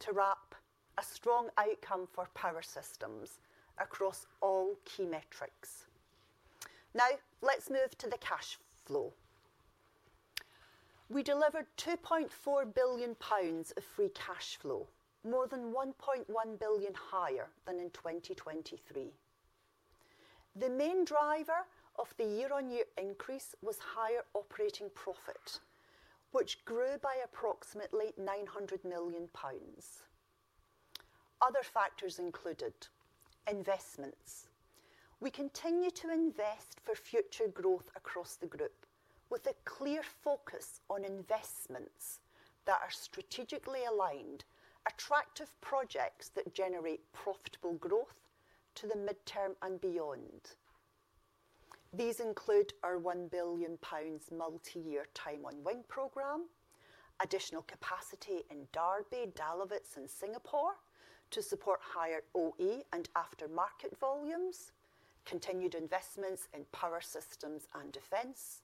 To wrap, a strong outcome for Power Systems across all key metrics. Now, let's move to the cash flow. We delivered 2.4 billion pounds of free cash flow, more than 1.1 billion higher than in 2023. The main driver of the year-on-year increase was higher operating profit, which grew by approximately 900 million pounds. Other factors included investments. We continue to invest for future growth across the group, with a clear focus on investments that are strategically aligned, attractive projects that generate profitable growth to the midterm and beyond. These include our GBP 1 billion multi-year time-on-wing program, additional capacity in Derby, Dahlewitz, and Singapore to support higher OE and aftermarket volumes, continued investments in Power Systems and Defence,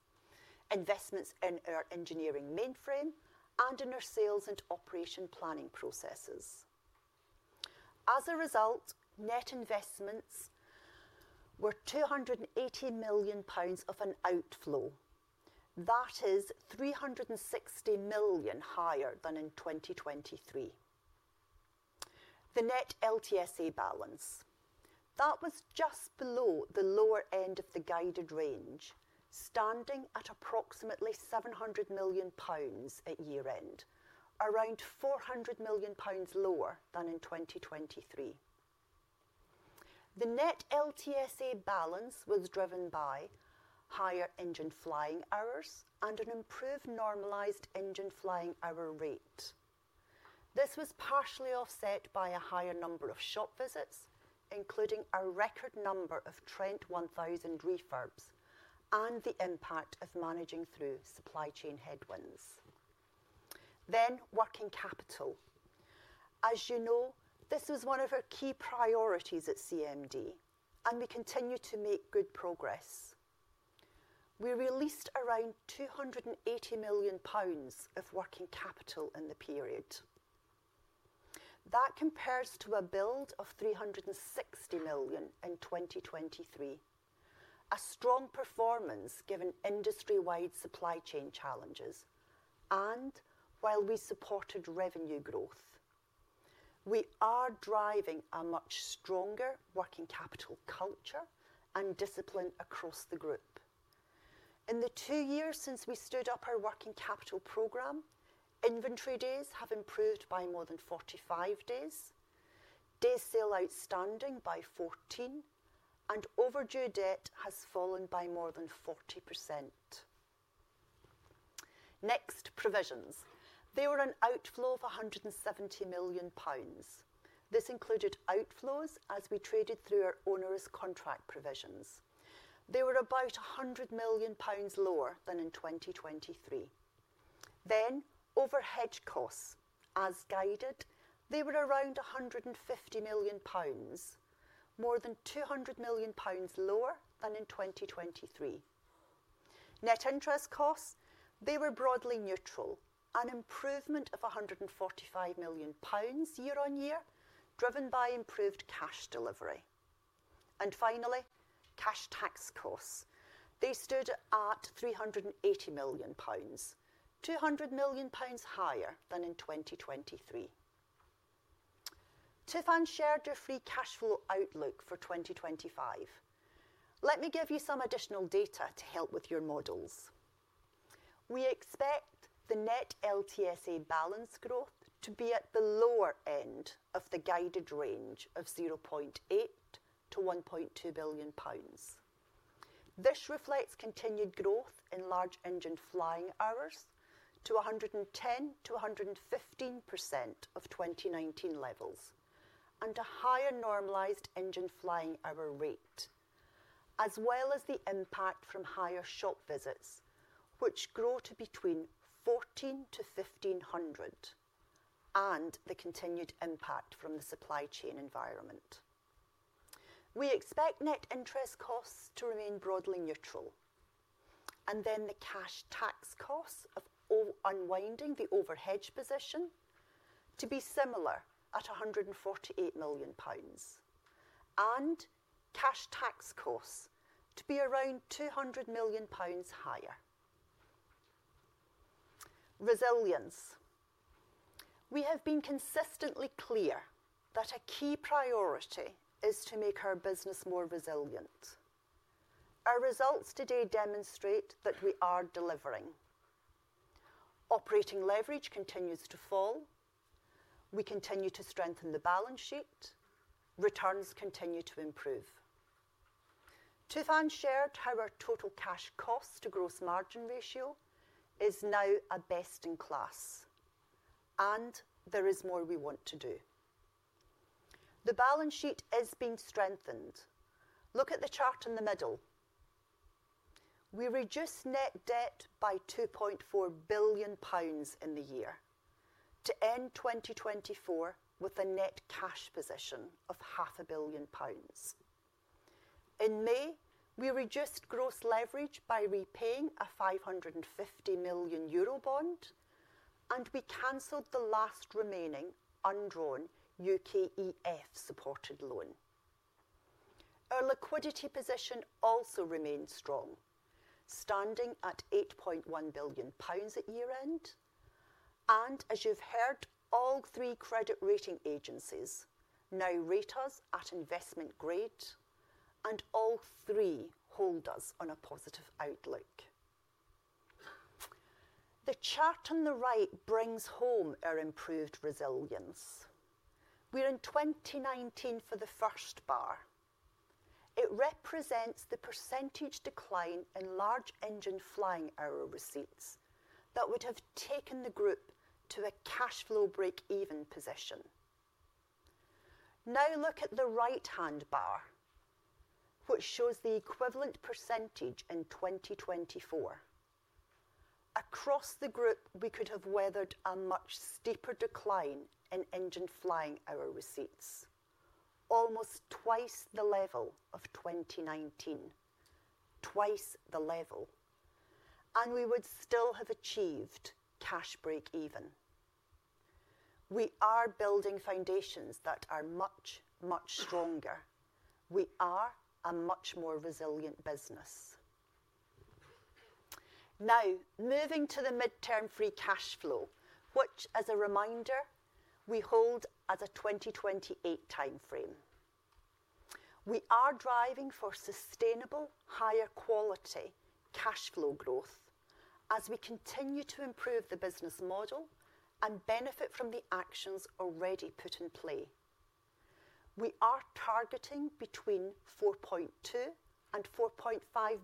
investments in our engineering mainframe, and in our sales and operation planning processes. As a result, net investments were 280 million pounds of an outflow. That is 360 million higher than in 2023. The net LTSA balance, that was just below the lower end of the guided range, standing at approximately 700 million pounds at year-end, around 400 million pounds lower than in 2023. The net LTSA balance was driven by higher engine flying hours and an improved normalized engine flying hour rate. This was partially offset by a higher number of shop visits, including a record number of Trent 1000 refurbs, and the impact of managing through supply chain headwinds. Then working capital. As you know, this was one of our key priorities at CMD, and we continue to make good progress. We released around 280 million pounds of working capital in the period. That compares to a build of 360 million in 2023, a strong performance given industry-wide supply chain challenges, and while we supported revenue growth. We are driving a much stronger working capital culture and discipline across the group. In the two years since we stood up our working capital program, inventory days have improved by more than 45 days, days sales outstanding by 14, and overdue debt has fallen by more than 40%. Next, provisions. There were an outflow of 170 million pounds. This included outflows as we traded through our onerous contract provisions. They were about 100 million pounds lower than in 2023. Then overhead costs, as guided, they were around 150 million pounds, more than 200 million pounds lower than in 2023. Net interest costs, they were broadly neutral, an improvement of 145 million pounds year-on-year driven by improved cash delivery. And finally, cash tax costs. They stood at 380 million pounds, 200 million pounds higher than in 2023. Tufan shared your free cash flow outlook for 2025. Let me give you some additional data to help with your models. We expect the net LTSA balance growth to be at the lower end of the guided range of 0.8 billion-1.2 billion pounds. This reflects continued growth in large engine flying hours to 110%-115% of 2019 levels, and a higher normalized engine flying hour rate, as well as the impact from higher shop visits, which grew to between 1,400-1,500, and the continued impact from the supply chain environment. We expect net interest costs to remain broadly neutral, and then the cash tax costs of unwinding the overhead position to be similar at 148 million pounds, and cash tax costs to be around 200 million pounds higher. Resilience. We have been consistently clear that a key priority is to make our business more resilient. Our results today demonstrate that we are delivering. Operating leverage continues to fall. We continue to strengthen the balance sheet. Returns continue to improve. Tufan shared how our total cash cost to gross margin ratio is now a best in class, and there is more we want to do. The balance sheet is being strengthened. Look at the chart in the middle. We reduced net debt by 2.4 billion pounds in the year to end 2024 with a net cash position of 0.5 billion pounds. In May, we reduced gross leverage by repaying a 550 million euro bond, and we canceled the last remaining undrawn UKEF-supported loan. Our liquidity position also remained strong, standing at 8.1 billion pounds at year-end, and as you've heard, all three credit rating agencies now rate us at investment grade and all three hold us on a positive outlook. The chart on the right brings home our improved resilience. We're in 2019 for the first bar. It represents the percentage decline in large engine flying hour receipts that would have taken the group to a cash flow break-even position. Now look at the right-hand bar, which shows the equivalent percentage in 2024. Across the group, we could have weathered a much steeper decline in engine flying hour receipts, almost twice the level of 2019, twice the level, and we would still have achieved cash break-even. We are building foundations that are much, much stronger. We are a much more resilient business. Now, moving to the midterm free cash flow, which, as a reminder, we hold as a 2028 timeframe. We are driving for sustainable, higher quality cash flow growth as we continue to improve the business model and benefit from the actions already put in play. We are targeting between 4.2 and 4.5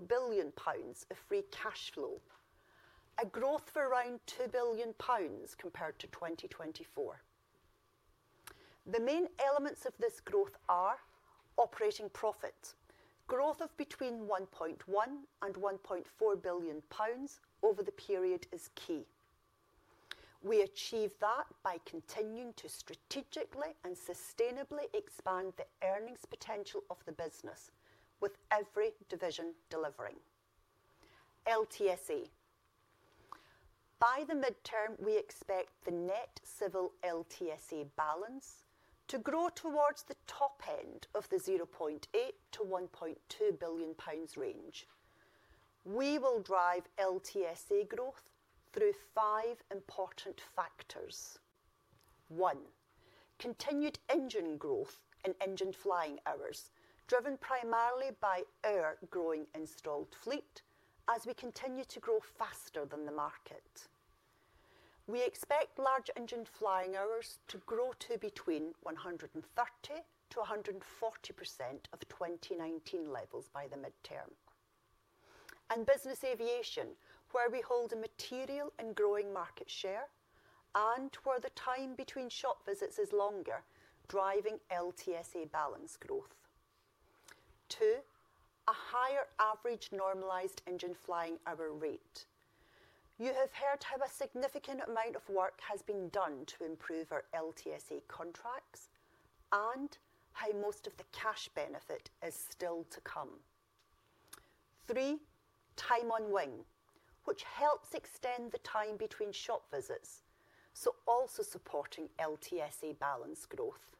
billion pounds of free cash flow, a growth for around 2 billion pounds compared to 2024. The main elements of this growth are operating profits. Growth of between 1.1 and 1.4 billion pounds over the period is key. We achieve that by continuing to strategically and sustainably expand the earnings potential of the business with every division delivering. LTSA. By the midterm, we expect the net Civil LTSA balance to grow towards the top end of the 0.8 to 1.2 billion pounds range. We will drive LTSA growth through five important factors. One, continued engine growth in engine flying hours, driven primarily by our growing installed fleet as we continue to grow faster than the market. We expect large engine flying hours to grow to between 130% to 140% of 2019 levels by the midterm, and Business Aviation, where we hold a material and growing market share and where the time between shop visits is longer, driving LTSA balance growth. Two, a higher average normalized engine flying hour rate. You have heard how a significant amount of work has been done to improve our LTSA contracts and how most of the cash benefit is still to come. Three, time on wing, which helps extend the time between shop visits, so also supporting LTSA balance growth.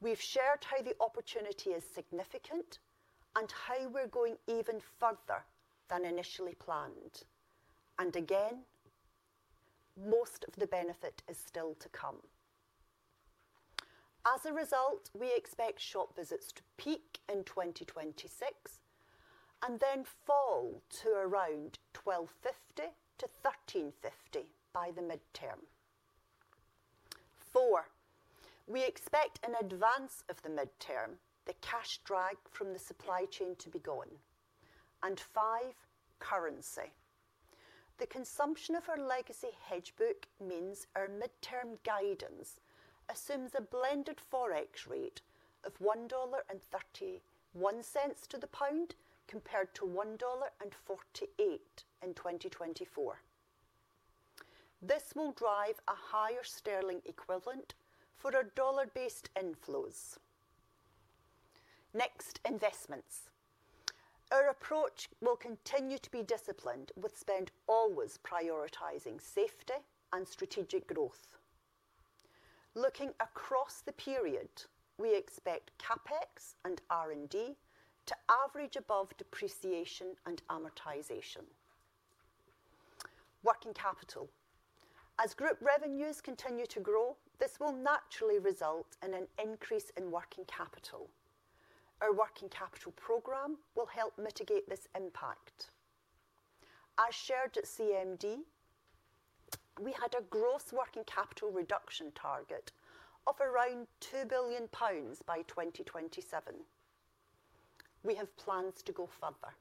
We've shared how the opportunity is significant and how we're going even further than initially planned. Again, most of the benefit is still to come. As a result, we expect shop visits to peak in 2026 and then fall to around 1,250-1,350 by the midterm. Four, we expect in advance of the midterm, the cash drag from the supply chain to be gone. And five, currency. The consumption of our legacy hedge book means our midterm guidance assumes a blended forex rate of $1.31 to the pound compared to $1.48 in 2024. This will drive a higher sterling equivalent for our dollar-based inflows. Next, investments. Our approach will continue to be disciplined, with spend always prioritizing safety and strategic growth. Looking across the period, we expect CapEx and R&D to average above depreciation and amortization. Working capital. As group revenues continue to grow, this will naturally result in an increase in working capital. Our working capital program will help mitigate this impact. As shared at CMD, we had a gross working capital reduction target of around 2 billion pounds by 2027. We have plans to go further.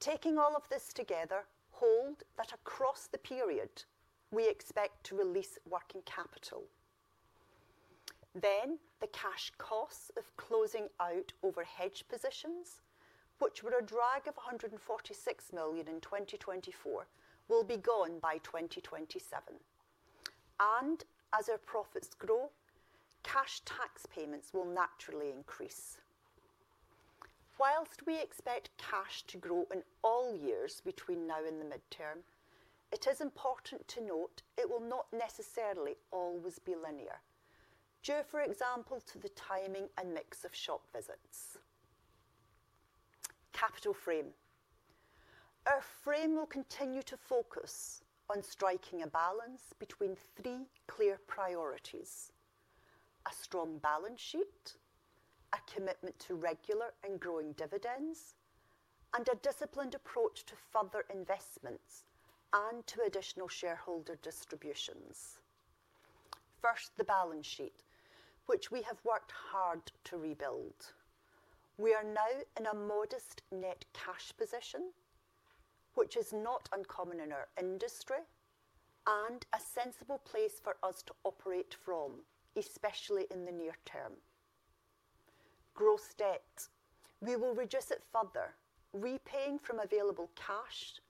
Taking all of this together, hold that across the period, we expect to release working capital. Then the cash costs of closing out overhead positions, which were a drag of 146 million in 2024, will be gone by 2027. And as our profits grow, cash tax payments will naturally increase. Whilst we expect cash to grow in all years between now and the midterm, it is important to note it will not necessarily always be linear, due, for example, to the timing and mix of shop visits. Capital frame. Our frame will continue to focus on striking a balance between three clear priorities: a strong balance sheet, a commitment to regular and growing dividends, and a disciplined approach to further investments and to additional shareholder distributions. First, the balance sheet, which we have worked hard to rebuild. We are now in a modest net cash position, which is not uncommon in our industry and a sensible place for us to operate from, especially in the near term. Gross debt. We will reduce it further, repaying from available cash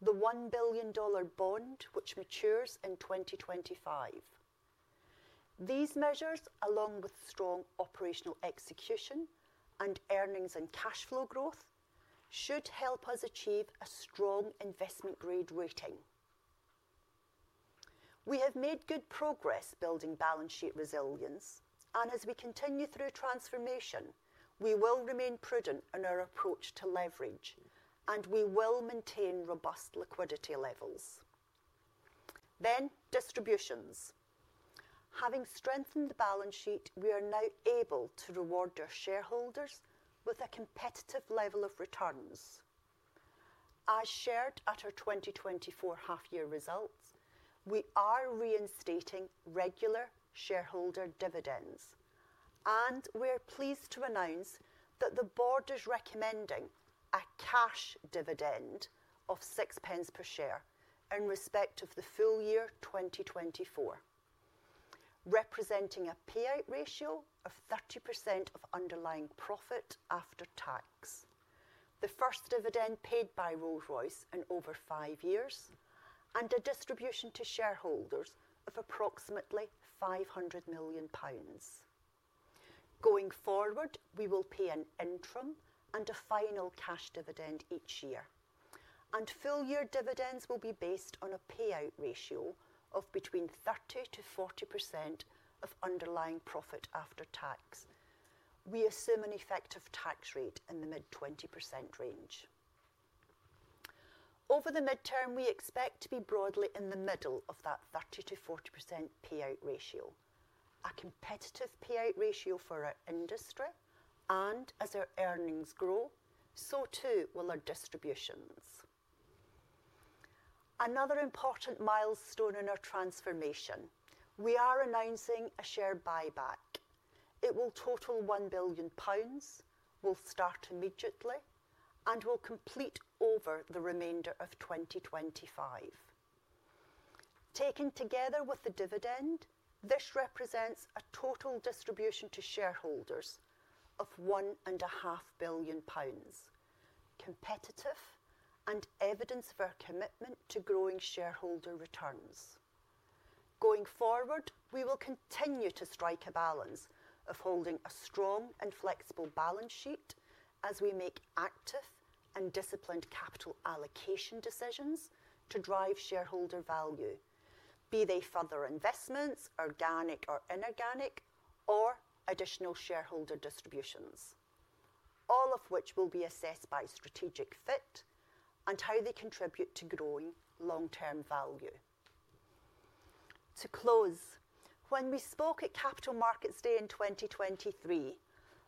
the $1 billion bond, which matures in 2025. These measures, along with strong operational execution and earnings and cash flow growth, should help us achieve a strong investment grade rating. We have made good progress building balance sheet resilience, and as we continue through transformation, we will remain prudent in our approach to leverage, and we will maintain robust liquidity levels. Then distributions. Having strengthened the balance sheet, we are now able to reward our shareholders with a competitive level of returns. As shared at our 2024 half-year results, we are reinstating regular shareholder dividends, and we are pleased to announce that the board is recommending a cash dividend of 0.06 per share in respect of the full year 2024, representing a payout ratio of 30% of underlying profit after tax, the first dividend paid by Rolls-Royce in over five years, and a distribution to shareholders of approximately 500 million pounds. Going forward, we will pay an interim and a final cash dividend each year, and full year dividends will be based on a payout ratio of between 30% to 40% of underlying profit after tax. We assume an effective tax rate in the mid 20% range. Over the midterm, we expect to be broadly in the middle of that 30% to 40% payout ratio, a competitive payout ratio for our industry, and as our earnings grow, so too will our distributions. Another important milestone in our transformation. We are announcing a share buyback. It will total 1 billion pounds. We'll start immediately and will complete over the remainder of 2025. Taken together with the dividend, this represents a total distribution to shareholders of 1.5 billion pounds, competitive and evidence of our commitment to growing shareholder returns. Going forward, we will continue to strike a balance of holding a strong and flexible balance sheet as we make active and disciplined capital allocation decisions to drive shareholder value, be they further investments, organic or inorganic, or additional shareholder distributions, all of which will be assessed by strategic fit and how they contribute to growing long-term value. To close, when we spoke at Capital Markets Day in 2023,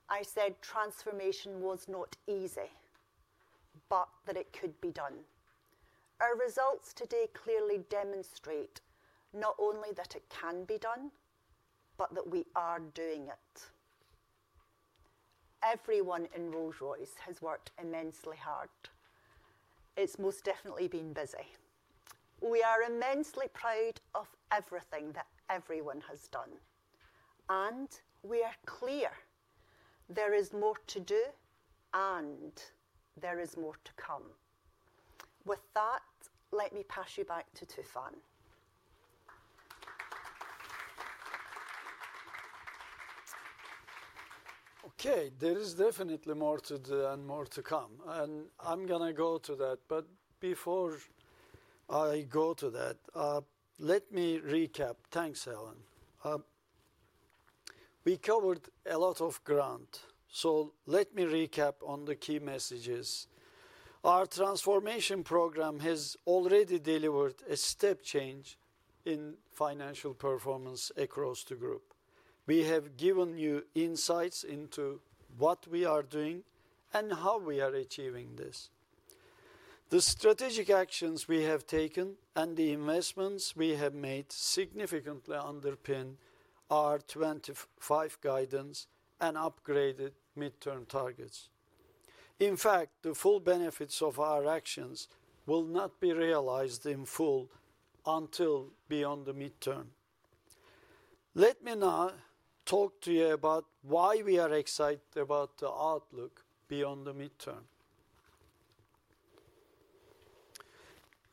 I said transformation was not easy, but that it could be done. Our results today clearly demonstrate not only that it can be done, but that we are doing it. Everyone in Rolls-Royce has worked immensely hard. It's most definitely been busy. We are immensely proud of everything that everyone has done, and we are clear there is more to do and there is more to come. With that, let me pass you back to Tufan. Okay, there is definitely more to do and more to come, and I'm going to go to that. But before I go to that, let me recap. Thanks, Helen. We covered a lot of ground, so let me recap on the key messages. Our transformation program has already delivered a step change in financial performance across the group. We have given you insights into what we are doing and how we are achieving this. The strategic actions we have taken and the investments we have made significantly underpin our 2025 guidance and upgraded midterm targets. In fact, the full benefits of our actions will not be realized in full until beyond the midterm. Let me now talk to you about why we are excited about the outlook beyond the midterm.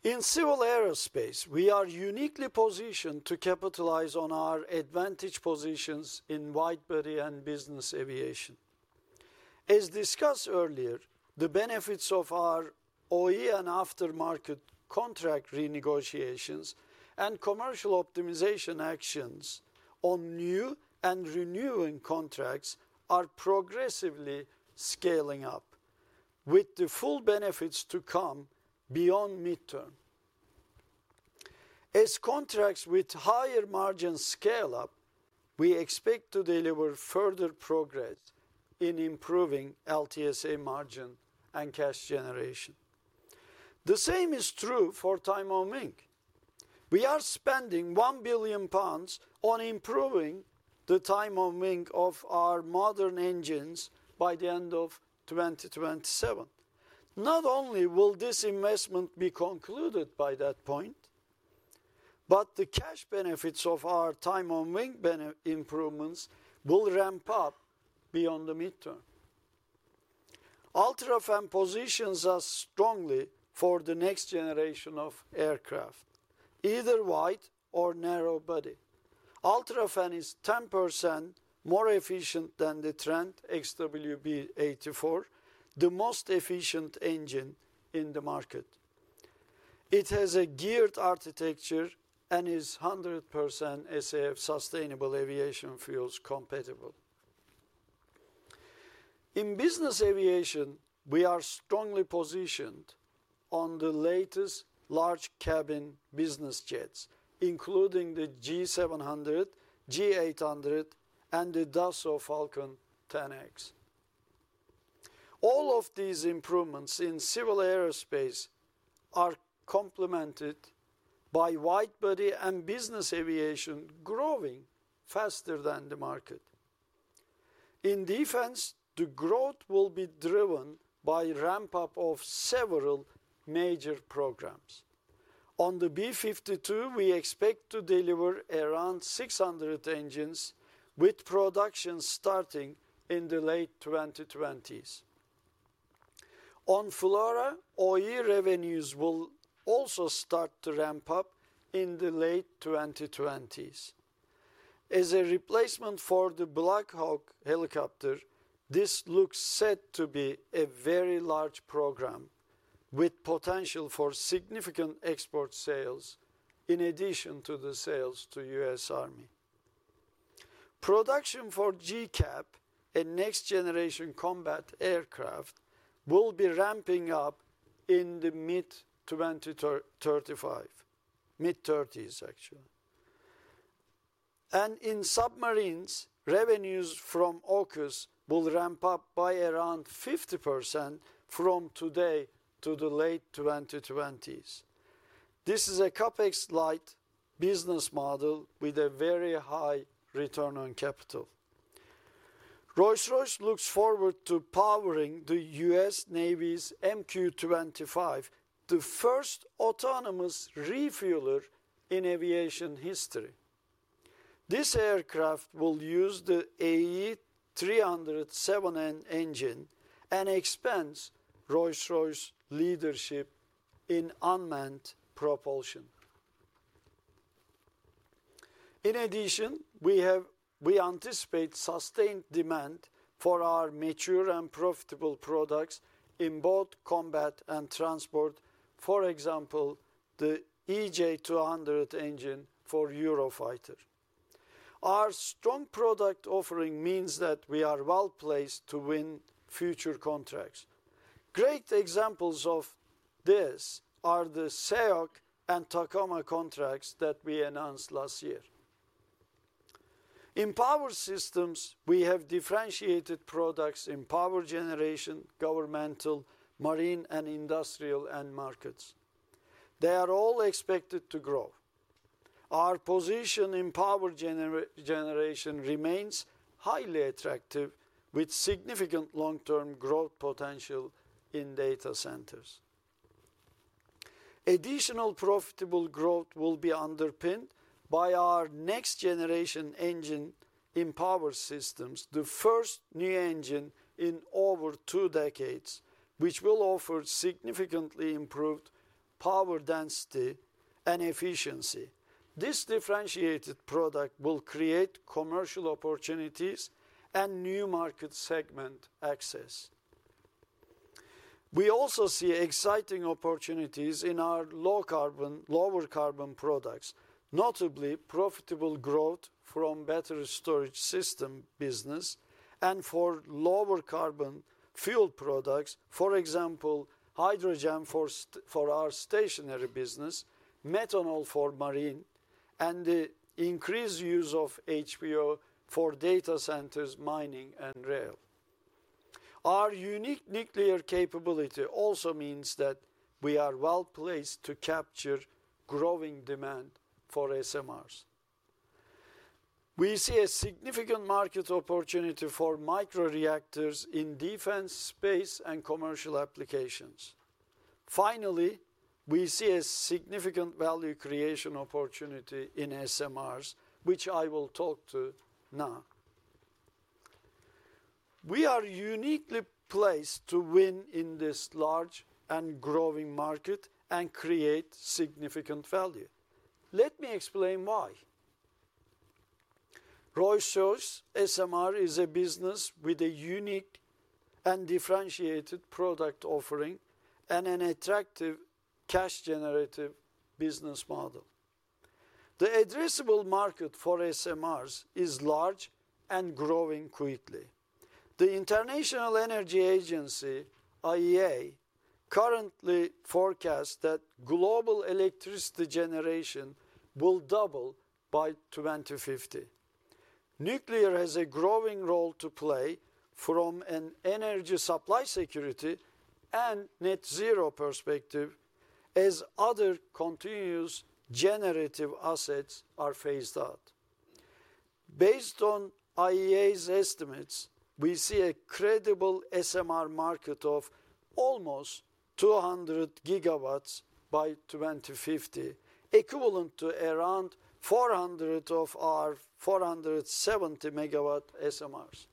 In Civil Aerospace, we are uniquely positioned to capitalize on our advantage positions in wide body and Business Aviation. As discussed earlier, the benefits of our OE and aftermarket contract renegotiations and commercial optimization actions on new and renewing contracts are progressively scaling up, with the full benefits to come beyond midterm. As contracts with higher margins scale up, we expect to deliver further progress in improving LTSA margin and cash generation. The same is true for time on wing. We are spending 1 billion pounds on improving the time on wing of our modern engines by the end of 2027. Not only will this investment be concluded by that point, but the cash benefits of our time on wing improvements will ramp up beyond the midterm. UltraFan positions us strongly for the next generation of aircraft, either wide or narrow body. UltraFan is 10% more efficient than the Trent XWB-84, the most efficient engine in the market. It has a geared architecture and is 100% SAF sustainable aviation fuels compatible. In Business Aviation, we are strongly positioned on the latest large cabin business jets, including the G700, G800, and the Dassault Falcon 10X. All of these improvements in Civil Aerospace are complemented by wide body and Business Aviation growing faster than the market. In Defence, the growth will be driven by a ramp-up of several major programs. On the B-52, we expect to deliver around 600 engines, with production starting in the late 2020s. On FLRAA, OE revenues will also start to ramp up in the late 2020s. As a replacement for the Black Hawk helicopter, this looks set to be a very large program with potential for significant export sales in addition to the sales to the U.S. Army. Production for GCAP, a next-generation Combat aircraft, will be ramping up in the mid-2030s, actually. In Submarines, revenues from AUKUS will ramp up by around 50% from today to the late 2020s. This is a CapEx-light business model with a very high return on capital. Rolls-Royce looks forward to powering the U.S. Navy's MQ-25, the first autonomous refueler in aviation history. This aircraft will use the AE 3007N engine and expands Rolls-Royce's leadership in unmanned propulsion. In addition, we anticipate sustained demand for our mature and profitable products in both Combat and Transport, for example, the EJ200 engine for Eurofighter. Our strong product offering means that we are well placed to win future contracts. Great examples of this are the SEO and TACOM contracts that we announced last year. In Power Systems, we have differentiated products in Power Generation, Governmental, Marine, and Industrial end markets. They are all expected to grow. Our position in Power Generation remains highly attractive, with significant long-term growth potential in data centers. Additional profitable growth will be underpinned by our next-generation engine in Power Systems, the first new engine in over two decades, which will offer significantly improved power density and efficiency. This differentiated product will create commercial opportunities and new market segment access. We also see exciting opportunities in our lower carbon products, notably profitable growth from battery storage system business and for lower carbon fuel products, for example, hydrogen for our stationary business, methanol for Marine, and the increased use of HVO for data centers, mining, and rail. Our unique nuclear capability also means that we are well placed to capture growing demand for SMRs. We see a significant market opportunity for micro-reactors in Defence space and commercial applications. Finally, we see a significant value creation opportunity in SMRs, which I will talk to now. We are uniquely placed to win in this large and growing market and create significant value. Let me explain why. Rolls-Royce SMR is a business with a unique and differentiated product offering and an attractive cash-generative business model. The addressable market for SMRs is large and growing quickly. The International Energy Agency, IEA, currently forecasts that global electricity generation will double by 2050. Nuclear has a growing role to play from an energy supply security and net zero perspective as other continuous generative assets are phased out. Based on IEA's estimates, we see a credible SMR market of almost 200 gigawatts by 2050, equivalent to around 400 of our 470-megawatt SMRs.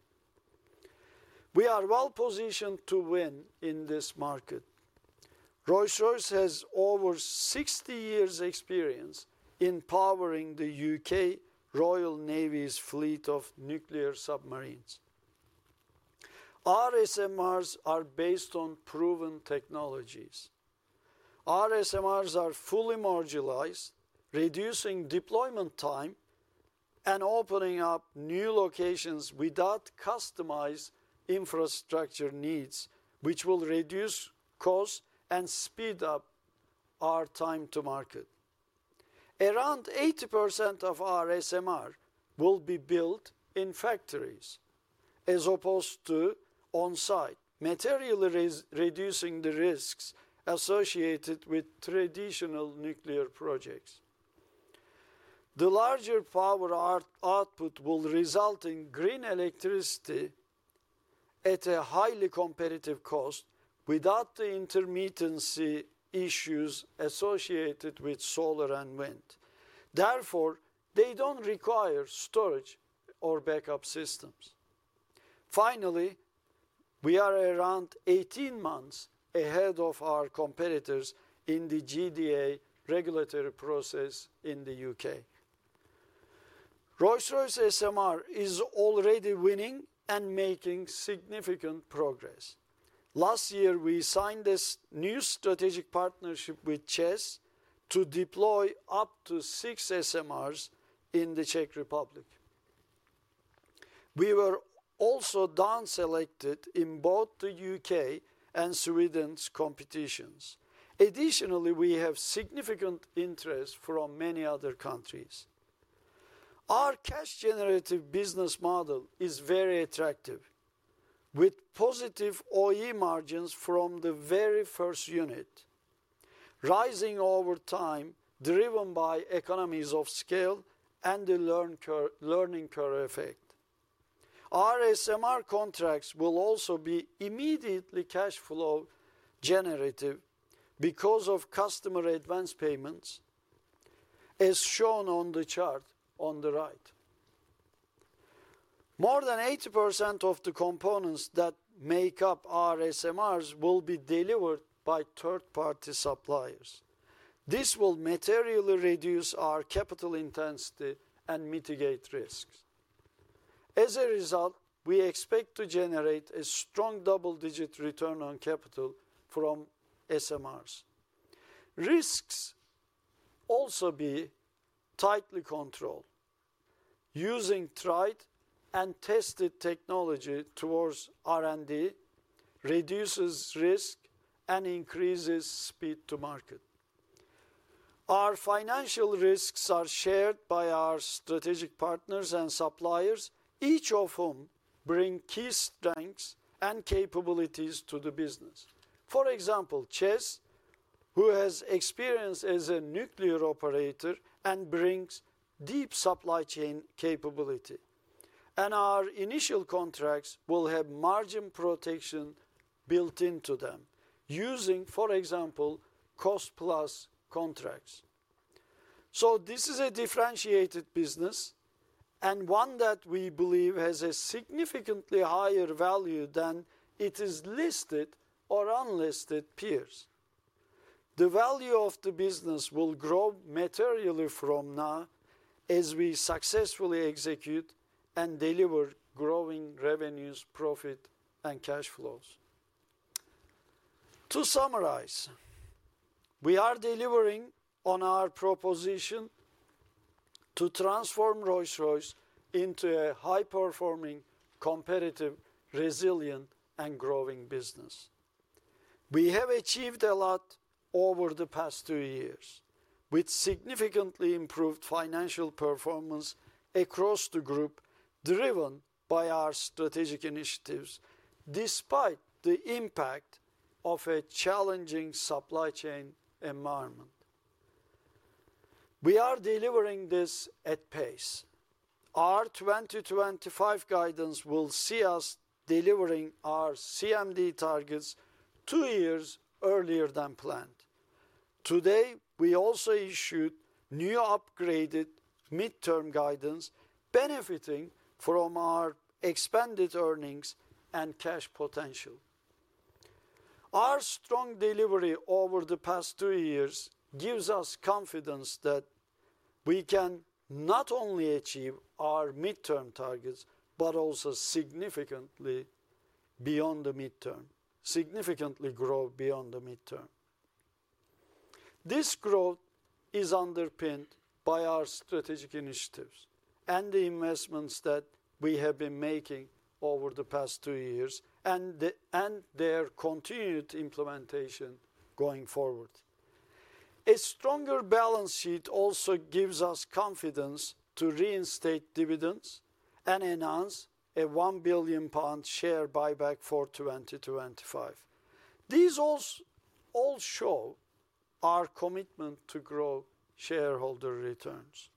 We are well positioned to win in this market. Rolls-Royce has over 60 years' experience in powering the UK Royal Navy's fleet of nuclear submarines. Our SMRs are based on proven technologies. Our SMRs are fully modularized, reducing deployment time and opening up new locations without customized infrastructure needs, which will reduce costs and speed up our time to market. Around 80% of our SMRs will be built in factories as opposed to on-site, materially reducing the risks associated with traditional nuclear projects. The larger power output will result in green electricity at a highly competitive cost without the intermittency issues associated with solar and wind. Therefore, they don't require storage or backup systems. Finally, we are around 18 months ahead of our competitors in the GDA regulatory process in the U.K. Rolls-Royce SMR is already winning and making significant progress. Last year, we signed this new strategic partnership with ČEZ to deploy up to six SMRs in the Czech Republic. We were also down-selected in both the U.K. and Sweden's competitions. Additionally, we have significant interest from many other countries. Our cash-generative business model is very attractive, with positive OE margins from the very first unit, rising over time driven by economies of scale and the learning curve effect. Our SMR contracts will also be immediately cash flow generative because of customer advance payments, as shown on the chart on the right. More than 80% of the components that make up our SMRs will be delivered by third-party suppliers. This will materially reduce our capital intensity and mitigate risks. As a result, we expect to generate a strong double-digit return on capital from SMRs. Risks also be tightly controlled. Using tried-and-tested technology towards R&D reduces risk and increases speed to market. Our financial risks are shared by our strategic partners and suppliers, each of whom brings key strengths and capabilities to the business. For example, the ČEZ, who has experience as a nuclear operator and brings deep supply chain capability, and our initial contracts will have margin protection built into them, using, for example, cost-plus contracts, so this is a differentiated business and one that we believe has a significantly higher value than its listed or unlisted peers. The value of the business will grow materially from now as we successfully execute and deliver growing revenues, profit, and cash flows. To summarize, we are delivering on our proposition to transform Rolls-Royce into a high-performing, competitive, resilient, and growing business. We have achieved a lot over the past two years, with significantly improved financial performance across the group driven by our strategic initiatives, despite the impact of a challenging supply chain environment. We are delivering this at pace. Our 2025 guidance will see us delivering our CMD targets two years earlier than planned. Today, we also issued new upgraded midterm guidance, benefiting from our expanded earnings and cash potential. Our strong delivery over the past two years gives us confidence that we can not only achieve our midterm targets, but also significantly beyond the midterm, significantly grow beyond the midterm. This growth is underpinned by our strategic initiatives and the investments that we have been making over the past two years and their continued implementation going forward. A stronger balance sheet also gives us confidence to reinstate dividends and announce a 1 billion pound share buyback for 2025. These all show our commitment to grow shareholder returns.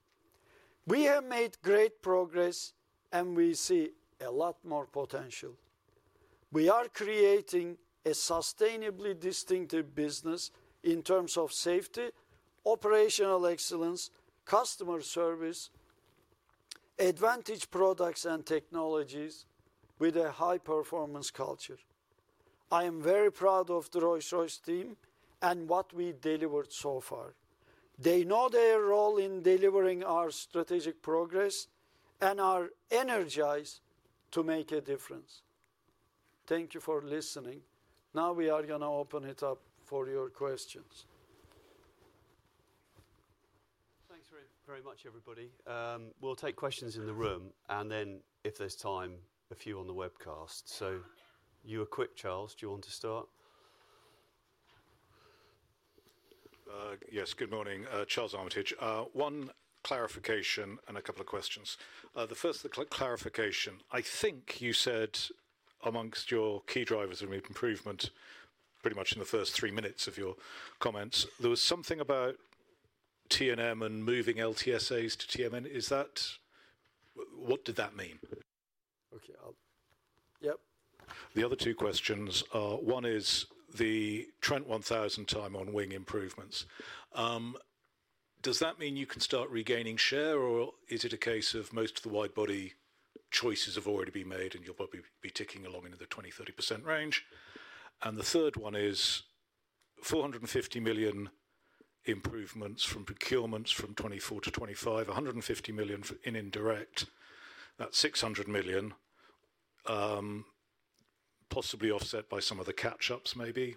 We have made great progress, and we see a lot more potential. We are creating a sustainably distinctive business in terms of safety, operational excellence, customer service, advantage products, and technologies with a high-performance culture. I am very proud of the Rolls-Royce team and what we delivered so far. They know their role in delivering our strategic progress and are energized to make a difference. Thank you for listening. Now we are going to open it up for your questions. Thanks very much, everybody. We'll take questions in the room and then, if there's time, a few on the webcast. So you were quick, Charles. Do you want to start? Yes, good morning, Charles Armitage. One clarification and a couple of questions. The first, the clarification. I think you said amongst your key drivers of improvement, pretty much in the first three minutes of your comments, there was something about T&M and moving LTSAs to T&M. What did that mean? Okay, I'll... Yep. The other two questions are... One is the Trent 1000 time on wing improvements. Does that mean you can start regaining share, or is it a case of most of the wide body choices have already been made and you'll probably be ticking along into the 20%-30% range? The third one is 450 million improvements from procurements from 2024 to 2025, 150 million in indirect, that's 600 million, possibly offset by some of the catch-ups, maybe,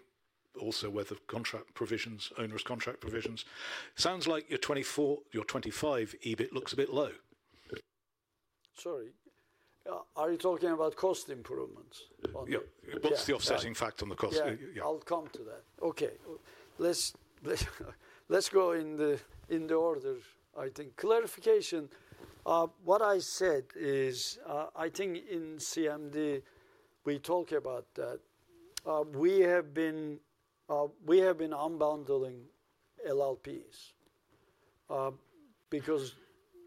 also with the contract provisions, onerous contract provisions. Sounds like your 2024, your 2025 EBIT looks a bit low. Sorry, are you talking about cost improvements? Yeah, what's the offsetting fact on the cost? Yeah, I'll come to that. Okay, let's go in the order, I think. Clarification, what I said is, I think in CMD, we talk about that. We have been unbundling LLPs because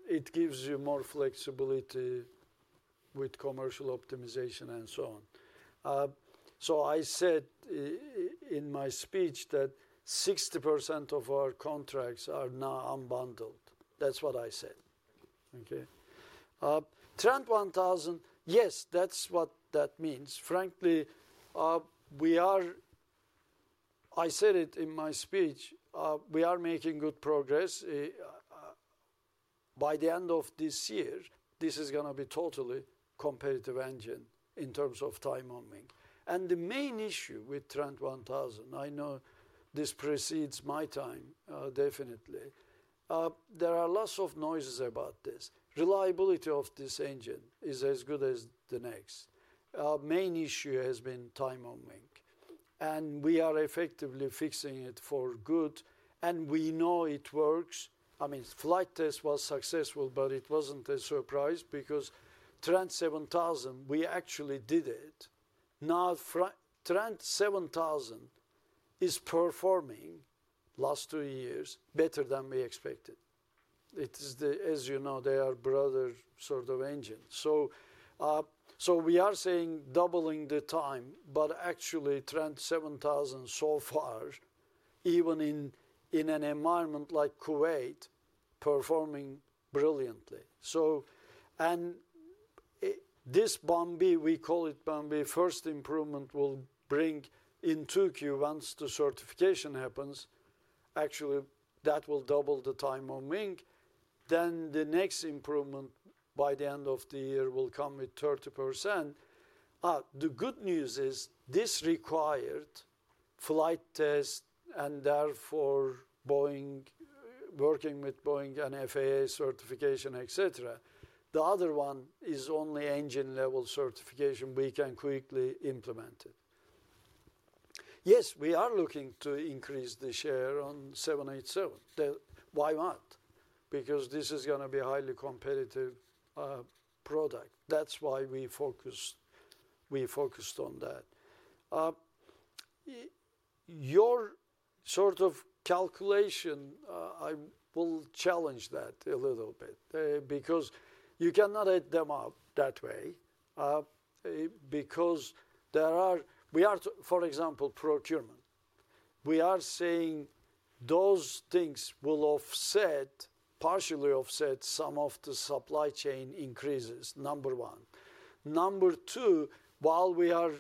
it gives you more flexibility with commercial optimization and so on. So I said in my speech that 60% of our contracts are now unbundled. That's what I said. Okay. Trent 1000, yes, that's what that means. Frankly, we are, I said it in my speech, we are making good progress. By the end of this year, this is going to be totally a competitive engine in terms of time on wing. And the main issue with Trent 1000, I know this precedes my time, definitely. There are lots of noises about this. Reliability of this engine is as good as the next. Main issue has been time on wing. And we are effectively fixing it for good. And we know it works. I mean, flight test was successful, but it wasn't a surprise because Trent 7000, we actually did it. Now, Trent 7000 is performing the last two years better than we expected. It is the, as you know, they are brother sort of engine. So we are saying doubling the time, but actually Trent 7000 so far, even in an environment like Kuwait, performing brilliantly. So, and this Bambi, we call it Bambi, first improvement will bring in 30 once the certification happens. Actually, that will double the time on wing. Then the next improvement by the end of the year will come with 30%. The good news is this required flight test and therefore working with Boeing and FAA certification, etc. The other one is only engine level certification. We can quickly implement it. Yes, we are looking to increase the share on 787. Why not? Because this is going to be a highly competitive product. That's why we focused on that. Your sort of calculation, I will challenge that a little bit because you cannot add them up that way because there are, we are, for example, procurement. We are saying those things will offset, partially offset some of the supply chain increases, number one. Number two, while we are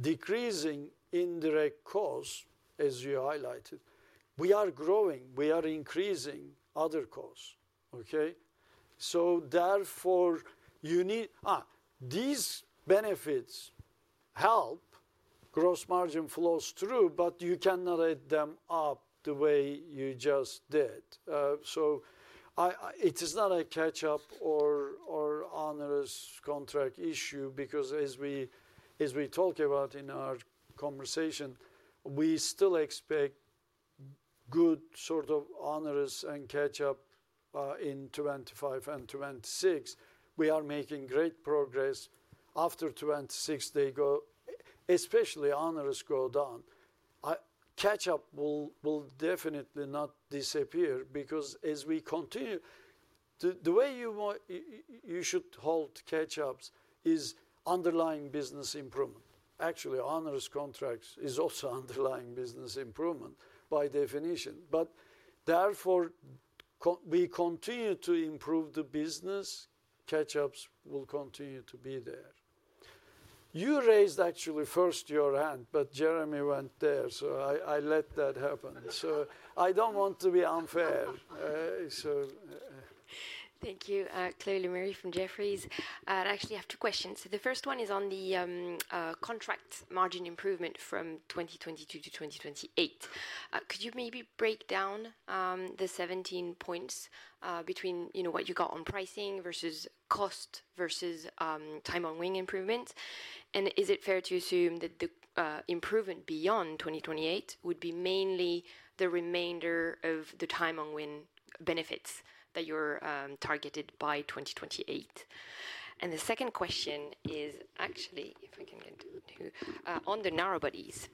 decreasing indirect costs, as you highlighted, we are growing, we are increasing other costs. Okay? So therefore, you need, these benefits help gross margin flows through, but you cannot add them up the way you just did. So it is not a catch-up or onerous contract issue because as we talk about in our conversation, we still expect good sort of onerous and catch-up in 2025 and 2026. We are making great progress. After 2026, they go, especially onerous go down. Catch-up will definitely not disappear because as we continue, the way you should hold catch-ups is underlying business improvement. Actually, onerous contract is also underlying business improvement by definition. But therefore, we continue to improve the business. Catch-ups will continue to be there. You raised actually first your hand, but Jeremy went there, so I let that happen. So I don't want to be unfair. Thank you. Chloe Lemarie from Jefferies. I actually have two questions. So the first one is on the contract margin improvement from 2022 to 2028. Could you maybe break down the 17 points between what you got on pricing versus cost versus time on wing improvements? And is it fair to assume that the improvement beyond 2028 would be mainly the remainder of the time on wing benefits that you're targeted by 2028? And the second question is actually, if I can get to, on the narrow bodies.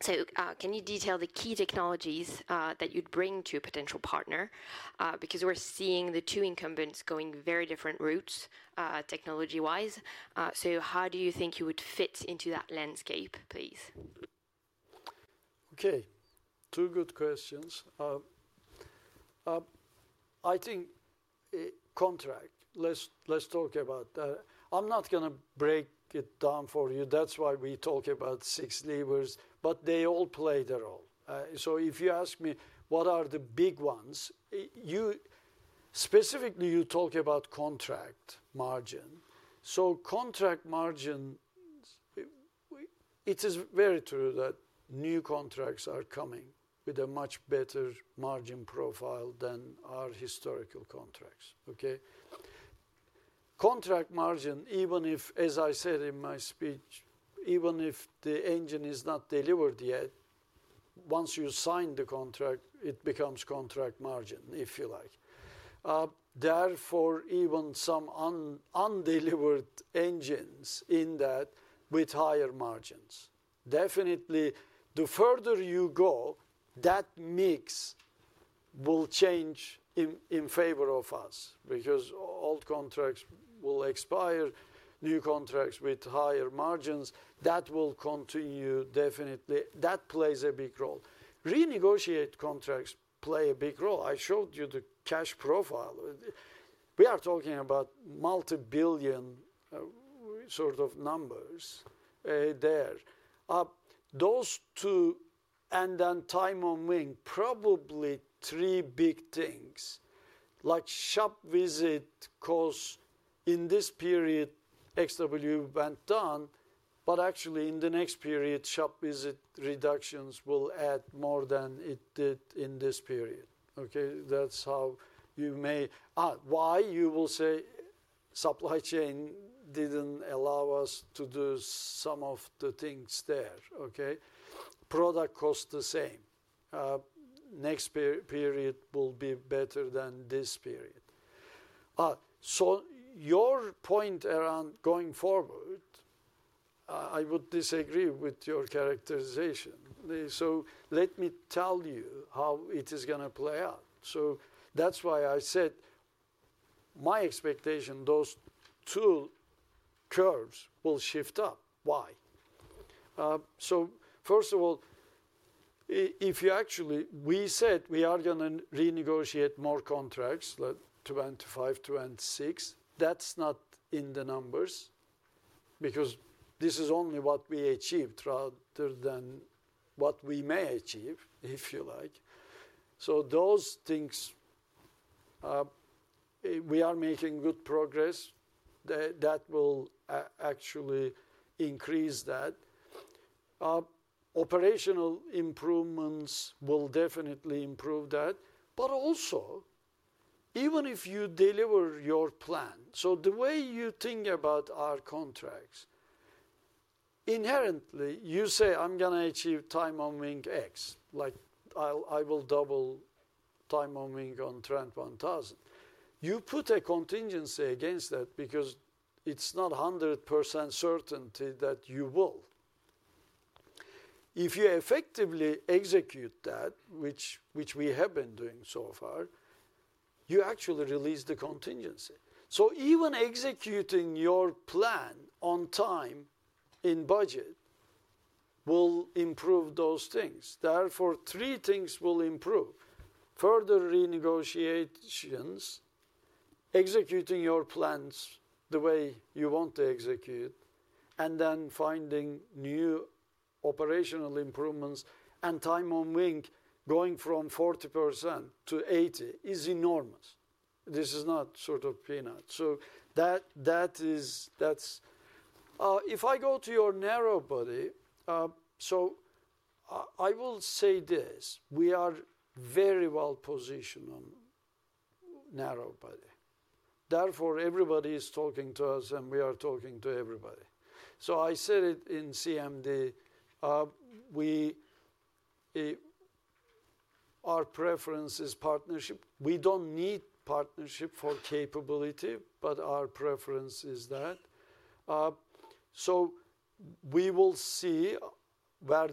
So can you detail the key technologies that you'd bring to a potential partner? Because we're seeing the two incumbents going very different routes technology-wise. So how do you think you would fit into that landscape, please? Okay, two good questions. I think contract, let's talk about that. I'm not going to break it down for you. That's why we talk about six levers, but they all play their role. So if you ask me what are the big ones, specifically you talk about contract margin. So contract margin, it is very true that new contracts are coming with a much better margin profile than our historical contracts. Okay? Contract margin, even if, as I said in my speech, even if the engine is not delivered yet, once you sign the contract, it becomes contract margin, if you like. Therefore, even some undelivered engines in that with higher margins. Definitely, the further you go, that mix will change in favor of us because old contracts will expire, new contracts with higher margins. That will continue definitely. That plays a big role. Renegotiate contracts play a big role. I showed you the cash profile. We are talking about multi-billion sort of numbers there. Those two and then time on wing, probably three big things, like shop visit costs in this period, XWB went down, but actually in the next period, shop visit reductions will add more than it did in this period. Okay? That's how you may, why you will say supply chain didn't allow us to do some of the things there. Okay? Product costs the same. Next period will be better than this period. So your point around going forward, I would disagree with your characterization. So let me tell you how it is going to play out. So that's why I said my expectation, those two curves will shift up. Why? First of all, if you actually, we said we are going to renegotiate more contracts, 2025, 2026, that's not in the numbers because this is only what we achieved rather than what we may achieve, if you like. Those things, we are making good progress. That will actually increase that. Operational improvements will definitely improve that. But also, even if you deliver your plan, so the way you think about our contracts, inherently, you say, I'm going to achieve time on wing X, like I will double time on wing on Trent 1000. You put a contingency against that because it's not 100% certainty that you will. If you effectively execute that, which we have been doing so far, you actually release the contingency. Even executing your plan on time in budget will improve those things. Therefore, three things will improve. Further renegotiations, executing your plans the way you want to execute, and then finding new operational improvements and time on wing going from 40%-80% is enormous. This is not sort of peanuts. So that is, that's, if I go to your narrow body, so I will say this, we are very well positioned on narrow body. Therefore, everybody is talking to us and we are talking to everybody. So I said it in CMD, our preference is partnership. We don't need partnership for capability, but our preference is that. So we will see where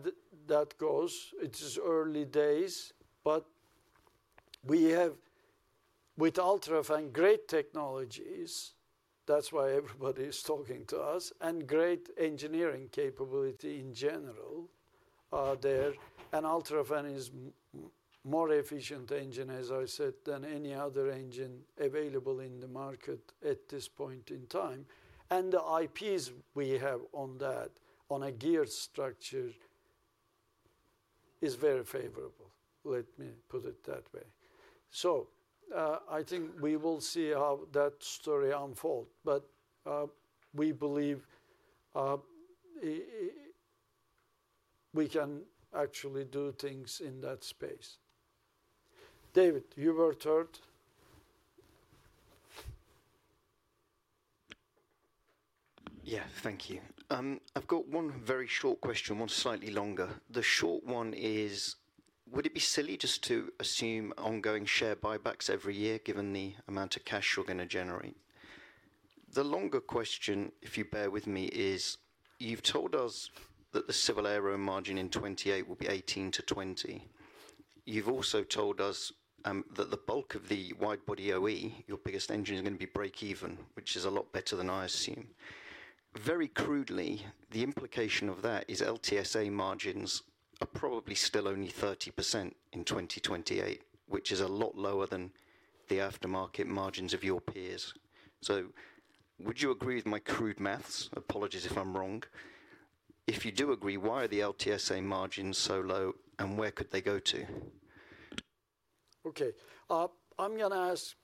that goes. It is early days, but we have with UltraFan great technologies. That's why everybody is talking to us and great engineering capability in general there. And UltraFan is a more efficient engine, as I said, than any other engine available in the market at this point in time. The IPs we have on that, on a gear structure, is very favorable. Let me put it that way. I think we will see how that story unfolds, but we believe we can actually do things in that space. David, you were third. Yeah, thank you. I've got one very short question, one slightly longer. The short one is, would it be silly just to assume ongoing share buybacks every year given the amount of cash you're going to generate? The longer question, if you bear with me, is you've told us that the Civil Aero margin in 2028 will be 18%-20%. You've also told us that the bulk of the wide body OE, your biggest engine is going to be break even, which is a lot better than I assume. Very crudely, the implication of that is LTSA margins are probably still only 30% in 2028, which is a lot lower than the aftermarket margins of your peers. So would you agree with my crude math? Apologies if I'm wrong. If you do agree, why are the LTSA margins so low and where could they go to? Okay. I'm going to ask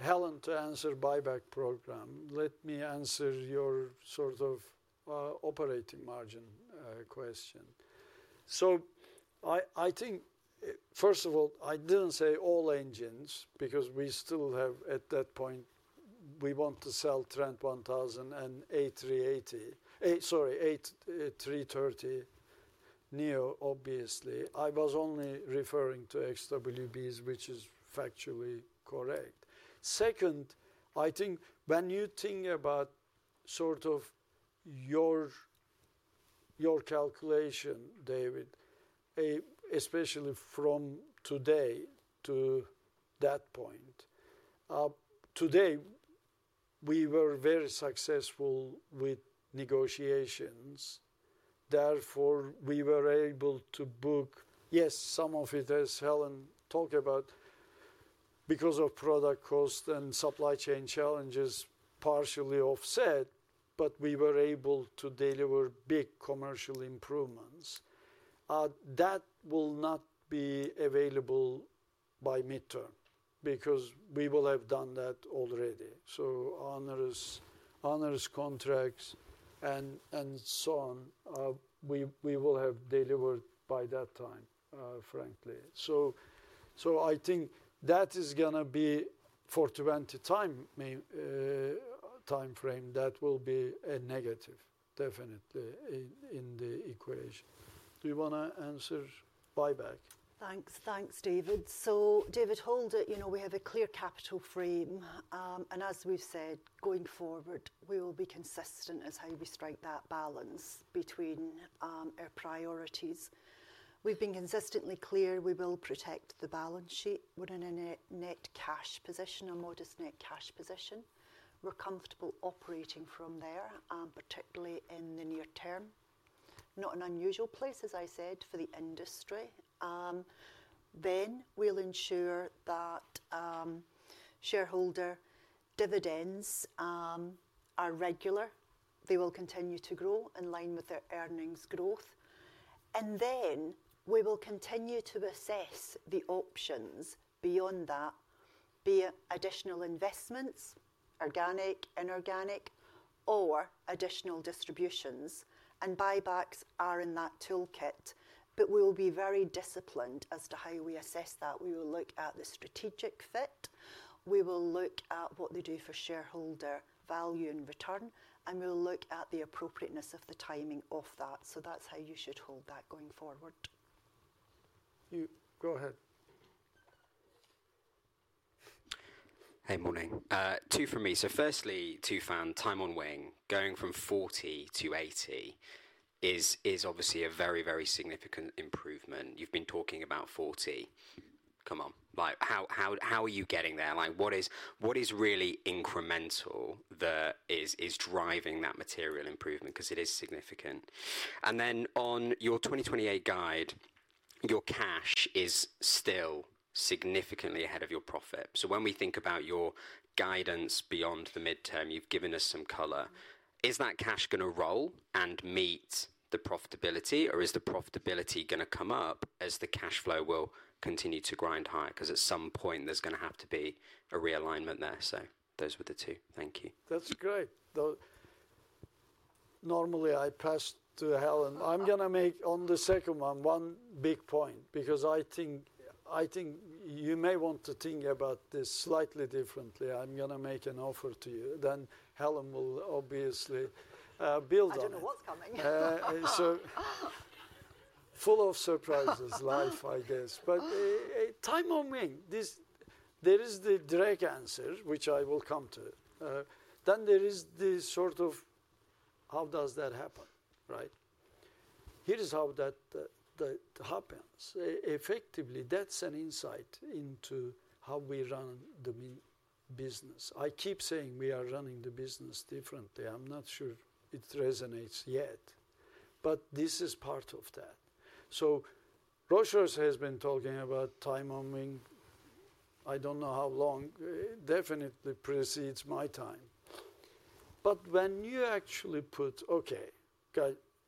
Helen to answer buyback program. Let me answer your sort of operating margin question. So I think, first of all, I didn't say all engines because we still have at that point, we want to sell Trent 1000 and A380, sorry, A330neo, obviously. I was only referring to XWBs, which is factually correct. Second, I think when you think about sort of your calculation, David, especially from today to that point, today we were very successful with negotiations. Therefore, we were able to book, yes, some of it as Helen talked about, because of product cost and supply chain challenges partially offset, but we were able to deliver big commercial improvements. That will not be available by mid-term because we will have done that already. So onerous contracts and so on, we will have delivered by that time, frankly. So I think that is going to be for 2024 timeframe, that will be a negative, definitely in the equation. Do you want to answer buyback? Thanks. Thanks, David. So David, hold it. We have a clear capital frame. And as we've said, going forward, we will be consistent as how we strike that balance between our priorities. We've been consistently clear we will protect the balance sheet. We're in a net cash position, a modest net cash position. We're comfortable operating from there, particularly in the near term. Not an unusual place, as I said, for the industry, then we'll ensure that shareholder dividends are regular. They will continue to grow in line with their earnings growth, and then we will continue to assess the options beyond that, be it additional investments, organic, inorganic, or additional distributions, and buybacks are in that toolkit, but we will be very disciplined as to how we assess that. We will look at the strategic fit. We will look at what they do for shareholder value and return, and we'll look at the appropriateness of the timing of that, so that's how you should hold that going forward. You go ahead. Hey, morning. Two for me. So firstly, Tufan, time on wing going from 40-80 is obviously a very, very significant improvement. You've been talking about 40. Come on. How are you getting there? What is really incremental that is driving that material improvement? Because it is significant. And then on your 2028 guide, your cash is still significantly ahead of your profit. So when we think about your guidance beyond the midterm, you've given us some color. Is that cash going to roll and meet the profitability, or is the profitability going to come up as the cash flow will continue to grind higher? Because at some point, there's going to have to be a realignment there. So those were the two. Thank you. That's great. Normally, I pass to Helen. I'm going to make on the second one, one big point because I think you may want to think about this slightly differently. I'm going to make an offer to you. Then Helen will obviously build on it. I don't know what's coming. So full of surprises, life, I guess. But time on wing, there is the direct answer, which I will come to. Then there is the sort of, how does that happen? Right? Here's how that happens. Effectively, that's an insight into how we run the business. I keep saying we are running the business differently. I'm not sure it resonates yet, but this is part of that. So Rolls-Royce has been talking about time on wing. I don't know how long. It definitely precedes my time. But when you actually put, okay,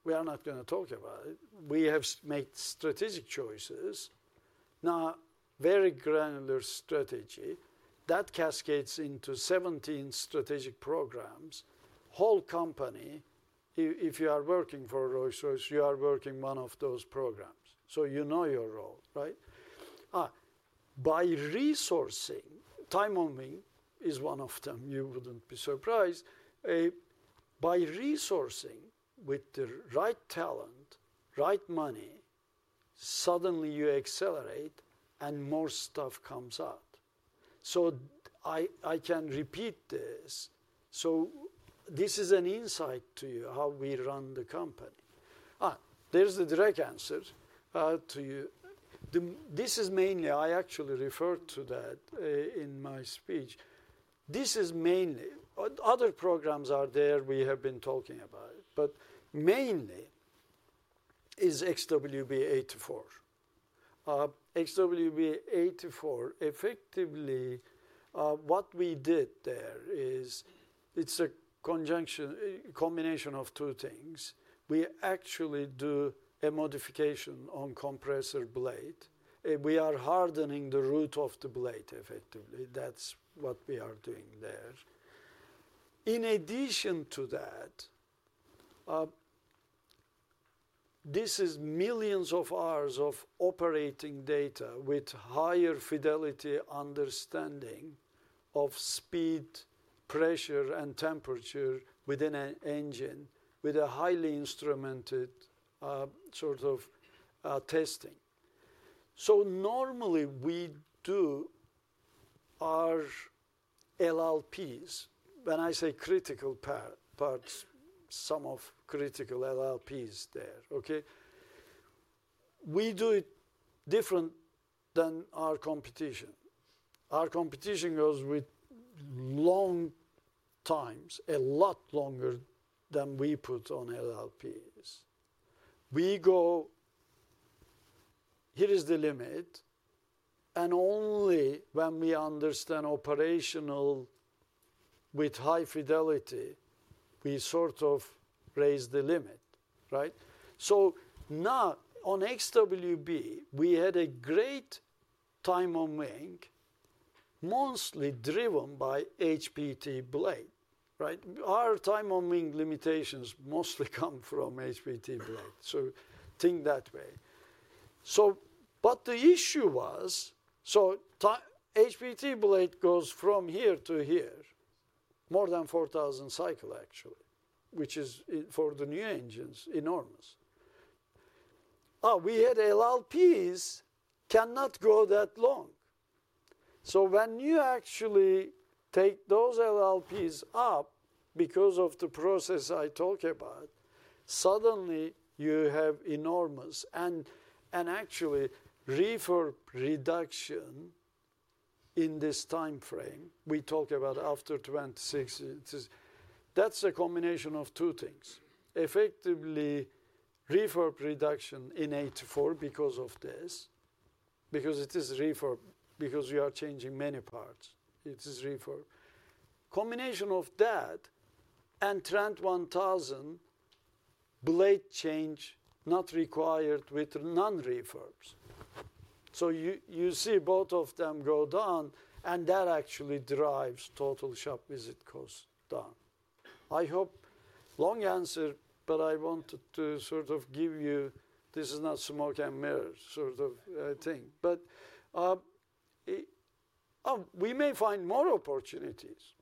we are not going to talk about it. We have made strategic choices. Now, very granular strategy. That cascades into 17 strategic programs. Whole company, if you are working for Rolls-Royce, you are working one of those programs. So you know your role, right? By resourcing, time on wing is one of them. You wouldn't be surprised. By resourcing with the right talent, right money, suddenly you accelerate and more stuff comes out. So I can repeat this. So this is an insight to you how we run the company. There's the direct answer to you. This is mainly. I actually referred to that in my speech. This is mainly. Other programs are there we have been talking about, but mainly is XWB-84. XWB-84, effectively, what we did there is it's a combination of two things. We actually do a modification on compressor blade. We are hardening the root of the blade, effectively. That's what we are doing there. In addition to that, this is millions of hours of operating data with higher fidelity understanding of speed, pressure, and temperature within an engine with a highly instrumented sort of testing. So normally we do our LLPs. When I say critical parts, some of critical LLPs there, okay? We do it different than our competition. Our competition goes with long times, a lot longer than we put on LLPs. We go, here is the limit, and only when we understand operational with high fidelity, we sort of raise the limit, right, so now on XWB, we had a great time on wing, mostly driven by HPT blade, right? Our time on wing limitations mostly come from HPT blade, so think that way, but the issue was, so HPT blade goes from here to here, more than 4,000 cycles actually, which is for the new engines, enormous. We had LLPs cannot go that long, so when you actually take those LLPs up because of the process I talk about, suddenly you have enormous and actually severe reduction in this timeframe. We talk about after 26. That's a combination of two things. Effectively, rework reduction in 84% because of this, because it is rework because you are changing many parts. It is rework. Combination of that and Trent 1000 blade change not required with non-reworks. So you see both of them go down and that actually drives total shop visit cost down. I hope long answer, but I wanted to sort of give you, this is not smoke and mirrors sort of thing. But we may find more opportunities.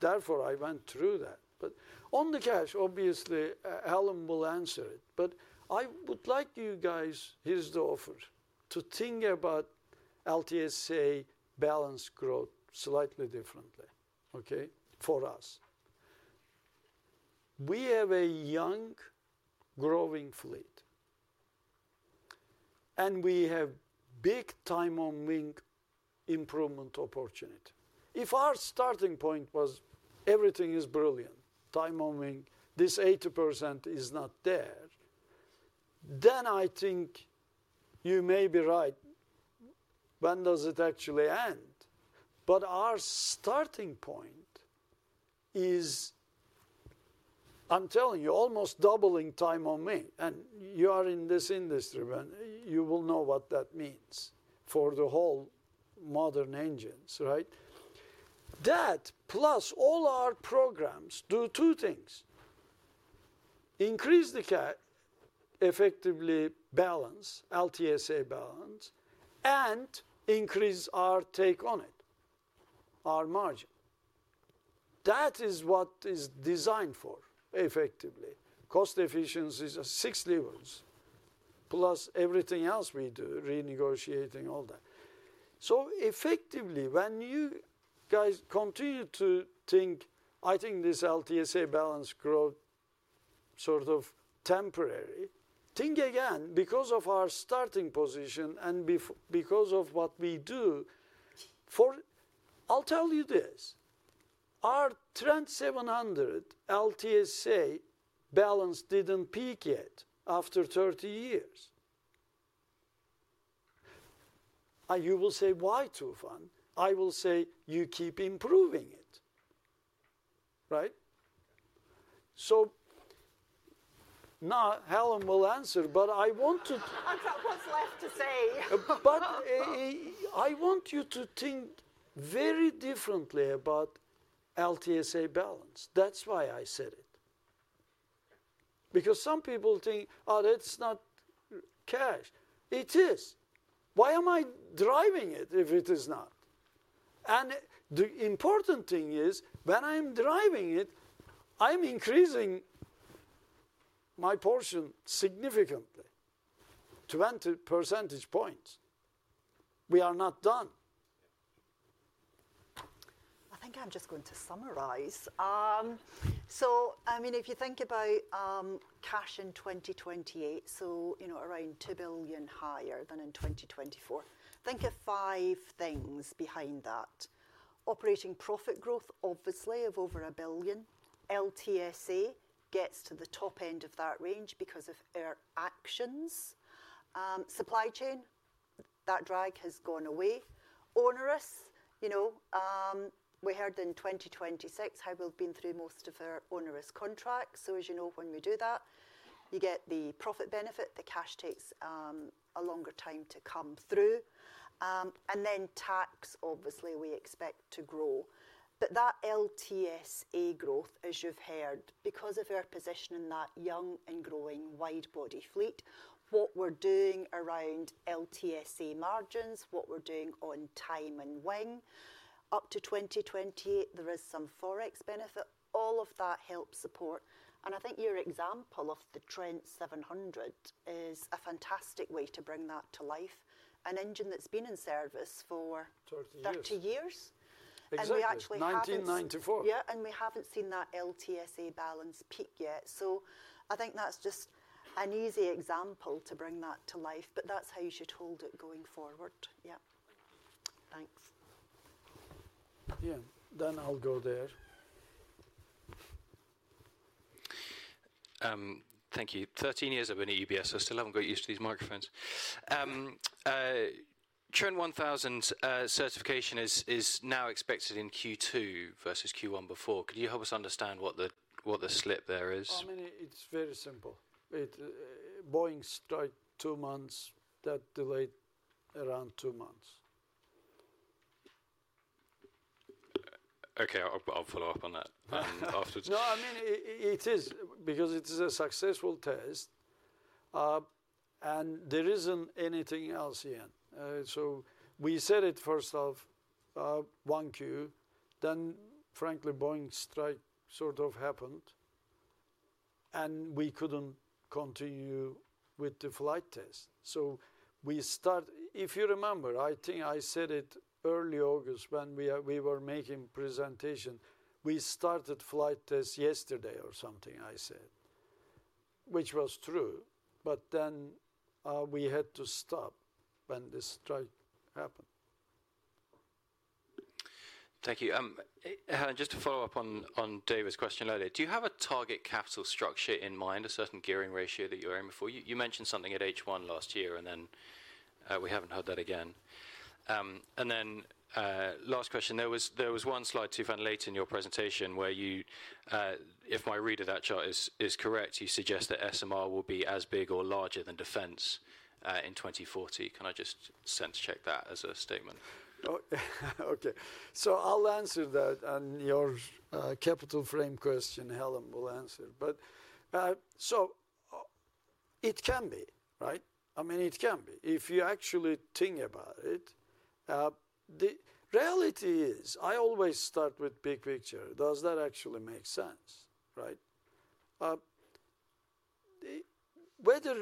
Therefore, I went through that. But on the cash, obviously, Helen will answer it. But I would like you guys, here's the offer, to think about LTSA balance growth slightly differently, okay, for us. We have a young growing fleet and we have big time on wing improvement opportunity. If our starting point was everything is brilliant, time on wing, this 80% is not there, then I think you may be right. When does it actually end? But our starting point is, I'm telling you, almost doubling time on wing. And you are in this industry, you will know what that means for the whole modern engines, right? That plus all our programs do two things. Increase the effectively balance, LTSA balance, and increase our take on it, our margin. That is what is designed for, effectively. Cost efficiency is a six levels plus everything else we do, renegotiating all that. So effectively, when you guys continue to think, I think this LTSA balance growth sort of temporary, think again because of our starting position and because of what we do. I'll tell you this. Our Trent 700 LTSA balance didn't peak yet after 30 years. You will say, why, Tufan? I will say, you keep improving it, right? So now Helen will answer, but I want to. I'm sorry, what's left to say? But I want you to think very differently about LTSA balance. That's why I said it. Because some people think, oh, that's not cash. It is. Why am I driving it if it is not? And the important thing is when I'm driving it, I'm increasing my portion significantly, 20 percentage points. We are not done. I think I'm just going to summarize. So I mean, if you think about cash in 2028, so around 2 billion higher than in 2024, think of five things behind that. Operating profit growth, obviously, of over a billion. LTSA gets to the top end of that range because of our actions. Supply chain, that drag has gone away. Owners, we heard in 2026 how we've been through most of our onerous contracts. So as you know, when we do that, you get the profit benefit. The cash takes a longer time to come through. And then tax, obviously, we expect to grow. But that LTSA growth, as you've heard, because of our position in that young and growing wide body fleet, what we're doing around LTSA margins, what we're doing on time on wing, up to 2028, there is some Forex benefit. All of that helps support. And I think your example of the Trent 700 is a fantastic way to bring that to life. An engine that's been in service for 30 years. 30 years. And we actually haven't. 1994. Yeah. And we haven't seen that LTSA balance peak yet. So I think that's just an easy example to bring that to life. But that's how you should hold it going forward. Yeah. Thanks. Yeah. Then I'll go there. Thank you. 13 years I've been at UBS. I still haven't got used to these microphones. Trent 1000 certification is now expected in Q2 versus Q1 before. Could you help us understand what the slip there is? I mean, it's very simple. Boeing strike two months, that delayed around two months. Okay. I'll follow up on that afterwards. No, I mean, it is because it is a successful test, and there isn't anything else yet. So we said it first off, one Q. Then frankly, Boeing strike sort of happened and we couldn't continue with the flight test. So we start, if you remember. I think I said it early August when we were making presentation. We started flight test yesterday or something, I said, which was true. But then we had to stop when the strike happened. Thank you. Just to follow up on David's question earlier, do you have a target capital structure in mind, a certain gearing ratio that you were aiming for? You mentioned something at H1 last year and then we haven't heard that again. And then last question, there was one slide, Tufan, late in your presentation where you, if my read of that chart is correct, you suggest that SMR will be as big or larger than Defence in 2040. Can I just sense check that as a statement? Okay. So I'll answer that and your capital structure question, Helen will answer. But so it can be, right? I mean, it can be. If you actually think about it, the reality is I always start with big picture. Does that actually make sense, right? Whether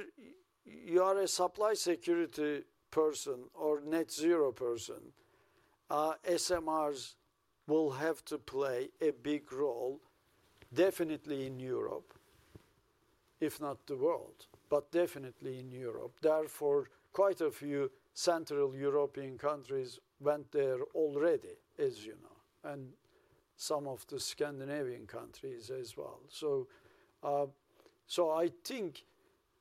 you are a supply security person or net zero person, SMRs will have to play a big role, definitely in Europe, if not the world, but definitely in Europe. Therefore, quite a few Central European countries went there already, as you know, and some of the Scandinavian countries as well. So I think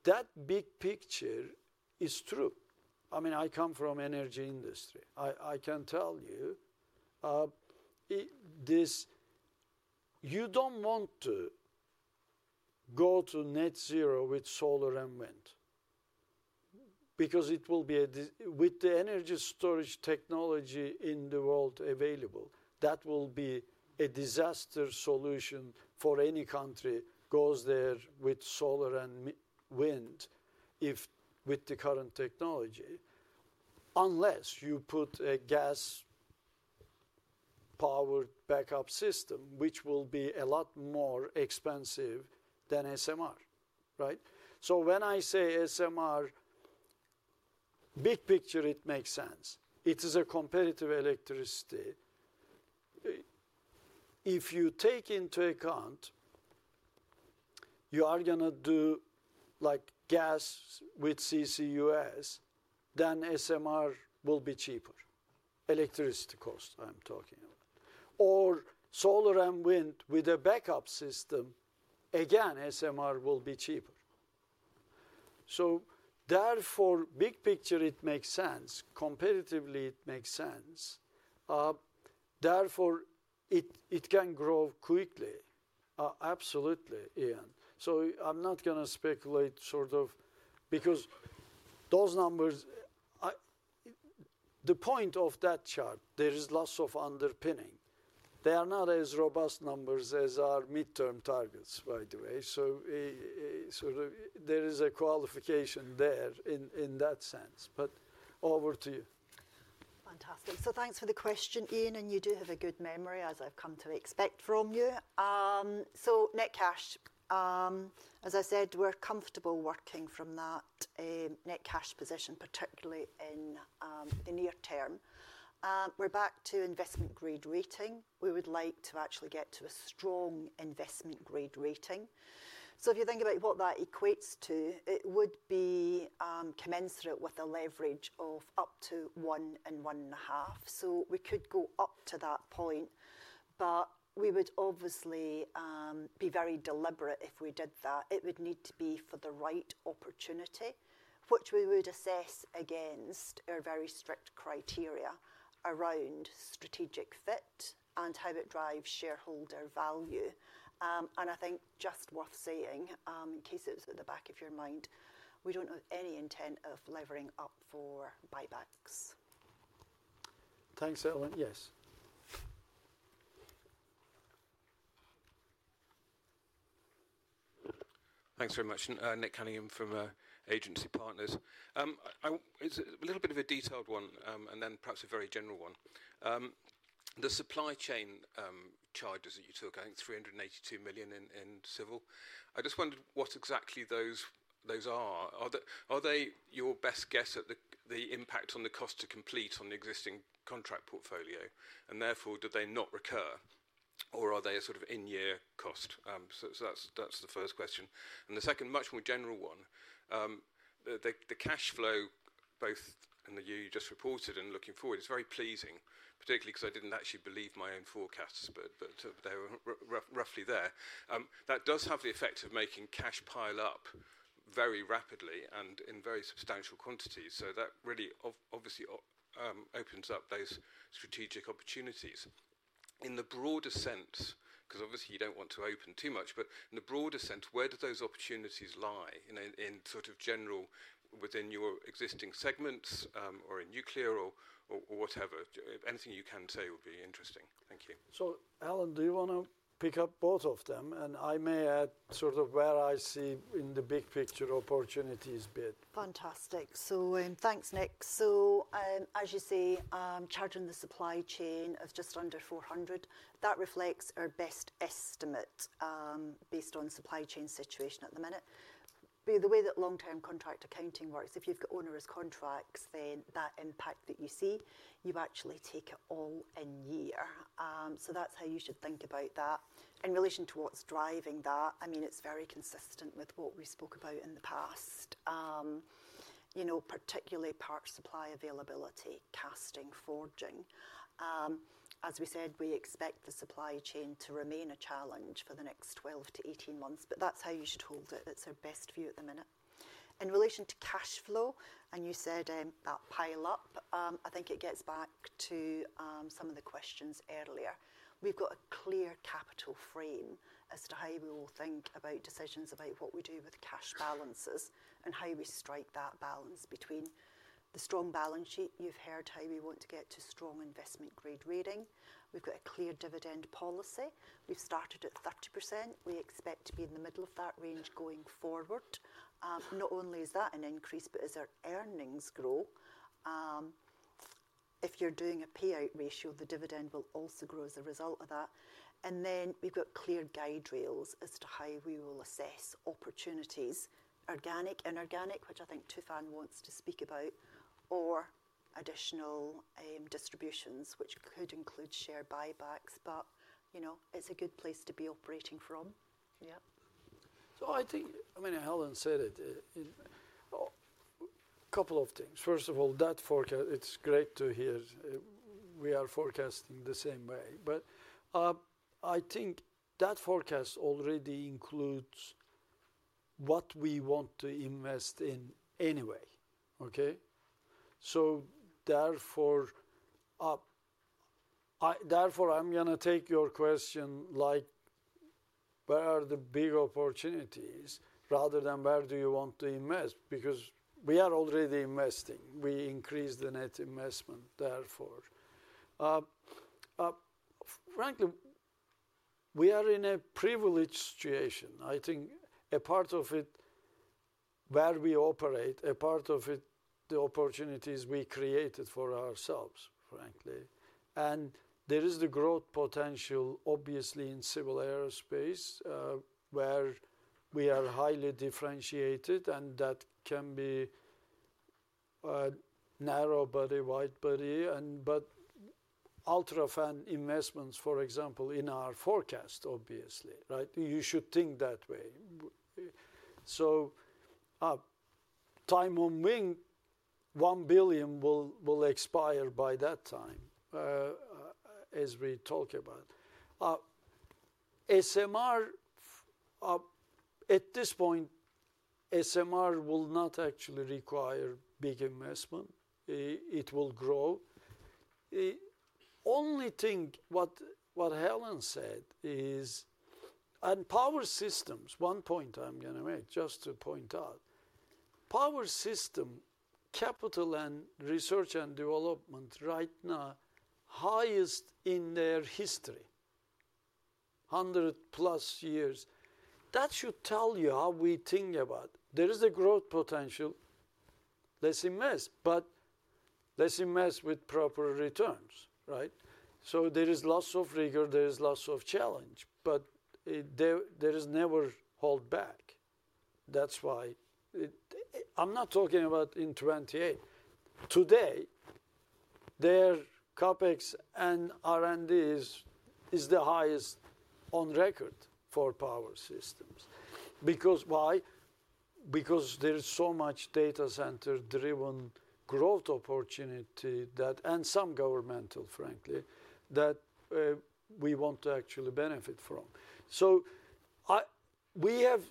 that big picture is true. I mean, I come from the energy industry. I can tell you this, you don't want to go to net zero with solar and wind because it will be a, with the energy storage technology in the world available, that will be a disaster solution for any country that goes there with solar and wind with the current technology, unless you put a gas-powered backup system, which will be a lot more expensive than SMR, right? So when I say SMR, big picture, it makes sense. It is a competitive electricity. If you take into account you are going to do like gas with CCUS, then SMR will be cheaper. Electricity cost, I'm talking about. Or solar and wind with a backup system, again, SMR will be cheaper. So therefore, big picture, it makes sense. Competitively, it makes sense. Therefore, it can grow quickly. Absolutely, Ian. So I'm not going to speculate, sort of, because those numbers, the point of that chart, there is lots of underpinning. They are not as robust numbers as our midterm targets, by the way. So, sort of, there is a qualification there in that sense. But over to you. Fantastic. So thanks for the question, Ian, and you do have a good memory, as I've come to expect from you. So net cash, as I said, we're comfortable working from that net cash position, particularly in the near term. We're back to investment grade rating. We would like to actually get to a strong investment grade rating. So if you think about what that equates to, it would be commensurate with a leverage of up to one and one and a half. So we could go up to that point, but we would obviously be very deliberate if we did that. It would need to be for the right opportunity, which we would assess against our very strict criteria around strategic fit and how it drives shareholder value. And I think just worth saying, in case it was at the back of your mind, we don't have any intent of levering up for buybacks. Thanks, Helen. Yes. Thanks very much. Nick Cunningham from Agency Partners. It's a little bit of a detailed one and then perhaps a very general one. The supply chain charges that you took, I think 382 million in Civil. I just wondered what exactly those are. Are they your best guess at the impact on the cost to complete on the existing contract portfolio? And therefore, do they not recur? Or are they a sort of in-year cost? So that's the first question. And the second, much more general one, the cash flow, both in the year you just reported and looking forward, is very pleasing, particularly because I didn't actually believe my own forecasts, but they were roughly there. That does have the effect of making cash pile up very rapidly and in very substantial quantities. So that really obviously opens up those strategic opportunities. In the broader sense, because obviously you don't want to open too much, but in the broader sense, where do those opportunities lie in sort of general within your existing segments or in nuclear or whatever? Anything you can say would be interesting. Thank you. So Helen, do you want to pick up both of them? And I may add sort of where I see in the big picture opportunities bit. Fantastic. So thanks, Nick. So as you see, charging the supply chain of just under 400, that reflects our best estimate based on supply chain situation at the minute. The way that long-term contract accounting works, if you've got owner's contracts, then that impact that you see, you actually take it all in year. So that's how you should think about that. In relation to what's driving that, I mean, it's very consistent with what we spoke about in the past, particularly part supply availability, casting, forging. As we said, we expect the supply chain to remain a challenge for the next 12-18 months, but that's how you should hold it. It's our best view at the minute. In relation to cash flow, and you said that pile up, I think it gets back to some of the questions earlier. We've got a clear capital frame as to how we will think about decisions about what we do with cash balances and how we strike that balance between the strong balance sheet. You've heard how we want to get to strong investment grade rating. We've got a clear dividend policy. We've started at 30%. We expect to be in the middle of that range going forward. Not only is that an increase, but as our earnings grow, if you're doing a payout ratio, the dividend will also grow as a result of that. And then we've got clear guide rails as to how we will assess opportunities, organic, inorganic, which I think Tufan wants to speak about, or additional distributions, which could include share buybacks, but it's a good place to be operating from. Yeah. So I think, I mean, Helen said it, a couple of things. First of all, that forecast, it's great to hear we are forecasting the same way. But I think that forecast already includes what we want to invest in anyway, okay? So therefore, I'm going to take your question like, where are the big opportunities rather than where do you want to invest? Because we are already investing. We increase the net investment therefore. Frankly, we are in a privileged situation. I think a part of it where we operate, a part of it, the opportunities we created for ourselves, frankly. And there is the growth potential, obviously, in Civil Aerospace where we are highly differentiated and that can be narrow body, wide body, but UltraFan investments, for example, in our forecast, obviously, right? You should think that way. So time on wing, one billion will expire by that time, as we talk about. SMR, at this point, SMR will not actually require big investment. It will grow. Only thing what Helen said is, and Power Systems, one point I'm going to make just to point out, power system capital and research and development right now, highest in their history, 100-plus years. That should tell you how we think about it. There is a growth potential. Let's invest, but let's invest with proper returns, right? So there is lots of rigor. There is lots of challenge, but there is never hold back. That's why I'm not talking about in 2028. Today, their CapEx and R&D is the highest on record for Power Systems. Because why? Because there is so much data center-driven growth opportunity that, and some Governmental, frankly, that we want to actually benefit from, so we have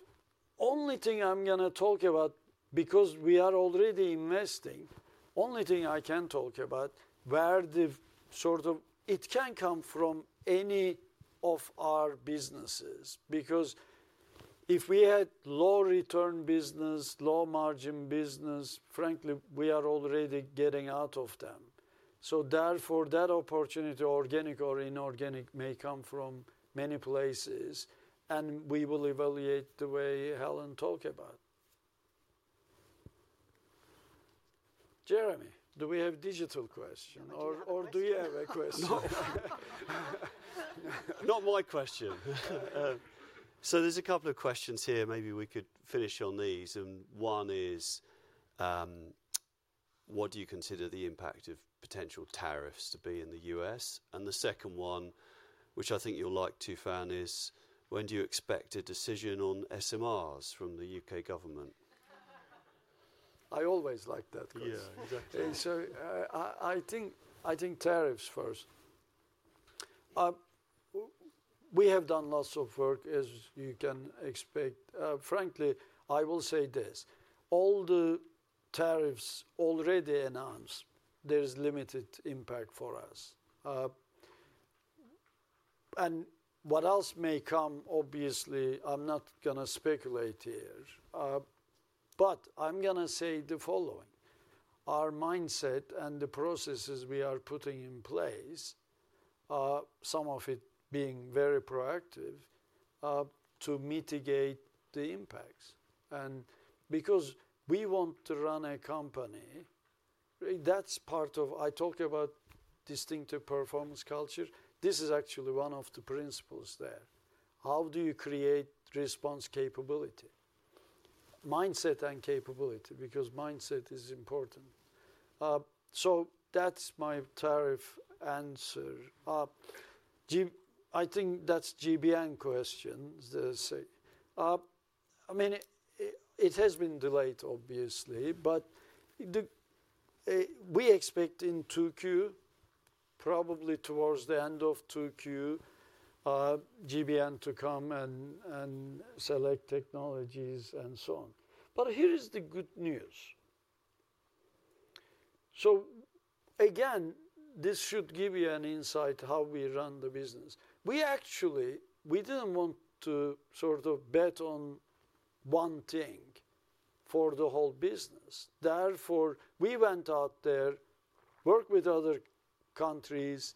only thing I'm going to talk about because we are already investing. Only thing I can talk about where the sort of it can come from any of our businesses because if we had low return business, low margin business, frankly, we are already getting out of them. So therefore, that opportunity, organic or inorganic, may come from many places, and we will evaluate the way Helen talked about. Jeremy, do we have digital questions or do you have a question? No. Not my question. So there's a couple of questions here. Maybe we could finish on these. And one is, what do you consider the impact of potential tariffs to be in the US? And the second one, which I think you'll like, Tufan, is when do you expect a decision on SMRs from the UK government? I always like that question. Yeah, exactly. So I think tariffs first. We have done lots of work, as you can expect. Frankly, I will say this. All the tariffs already announced, there is limited impact for us. And what else may come, obviously, I'm not going to speculate here, but I'm going to say the following. Our mindset and the processes we are putting in place, some of it being very proactive to mitigate the impacts. And because we want to run a company, that's part of I talk about distinctive performance culture. This is actually one of the principles there. How do you create response capability? Mindset and capability because mindset is important. So that's my tariff answer. I think that's GBN question. I mean, it has been delayed, obviously, but we expect in 2Q, probably towards the end of 2Q, GBN to come and select technologies and so on. But here is the good news. So again, this should give you an insight how we run the business. We actually, we didn't want to sort of bet on one thing for the whole business. Therefore, we went out there, worked with other countries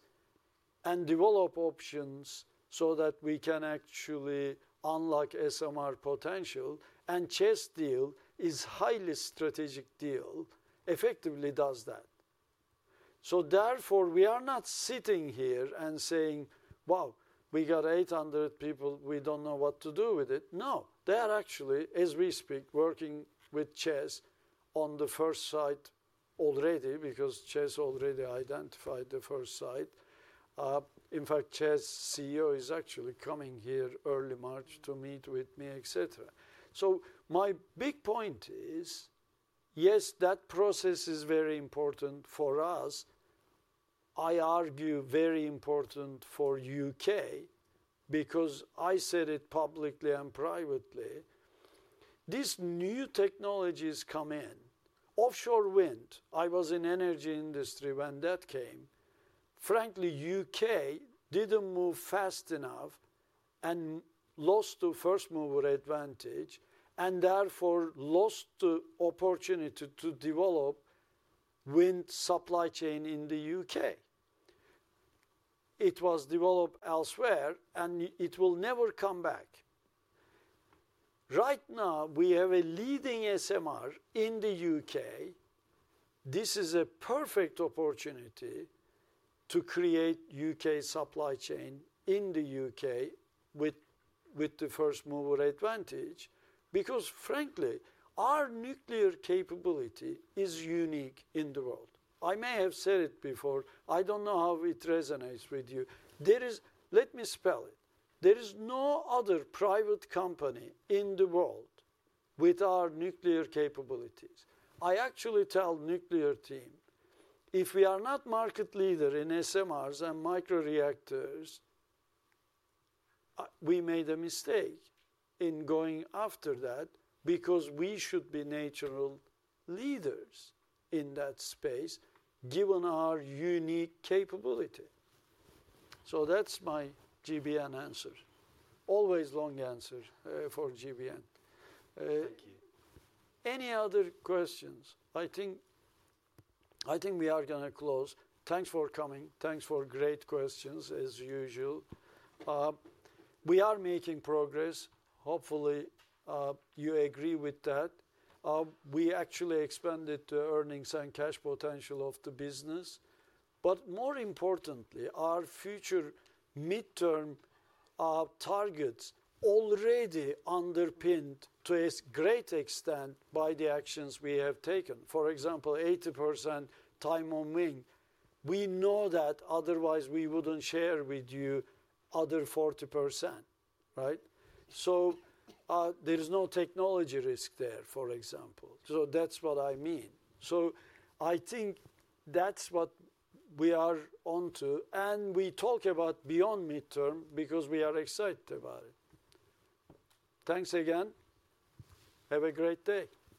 and developed options so that we can actually unlock SMR potential. And Czech deal is a highly strategic deal, effectively does that. So therefore, we are not sitting here and saying, wow, we got 800 people, we don't know what to do with it. No, they are actually, as we speak, working with the ČEZ on the first site already because the ČEZ already identified the first site. In fact, the ČEZ CEO is actually coming here early March to meet with me, etc. So my big point is, yes, that process is very important for us. I argue very important for U.K. because I said it publicly and privately. These new technologies come in. Offshore wind, I was in the energy industry when that came. Frankly, U.K. didn't move fast enough and lost the first mover advantage and therefore lost the opportunity to develop wind supply chain in the U.K. It was developed elsewhere and it will never come back. Right now, we have a leading SMR in the U.K. This is a perfect opportunity to create U.K. supply chain in the U.K. with the first mover advantage because frankly, our nuclear capability is unique in the world. I may have said it before. I don't know how it resonates with you. Let me spell it. There is no other private company in the world with our nuclear capabilities. I actually tell the nuclear team, if we are not market leader in SMRs and micro-reactors, we made a mistake in going after that because we should be natural leaders in that space given our unique capability. So that's my GBN answer. Always long answer for GBN. Thank you. Any other questions? I think we are going to close. Thanks for coming. Thanks for great questions as usual. We are making progress. Hopefully, you agree with that. We actually expanded the earnings and cash potential of the business. But more importantly, our future midterm targets already underpinned to a great extent by the actions we have taken. For example, 80% time on wing. We know that otherwise we wouldn't share with you other 40%, right? So there is no technology risk there, for example. So that's what I mean. So I think that's what we are onto. And we talk about beyond midterm because we are excited about it. Thanks again. Have a great day.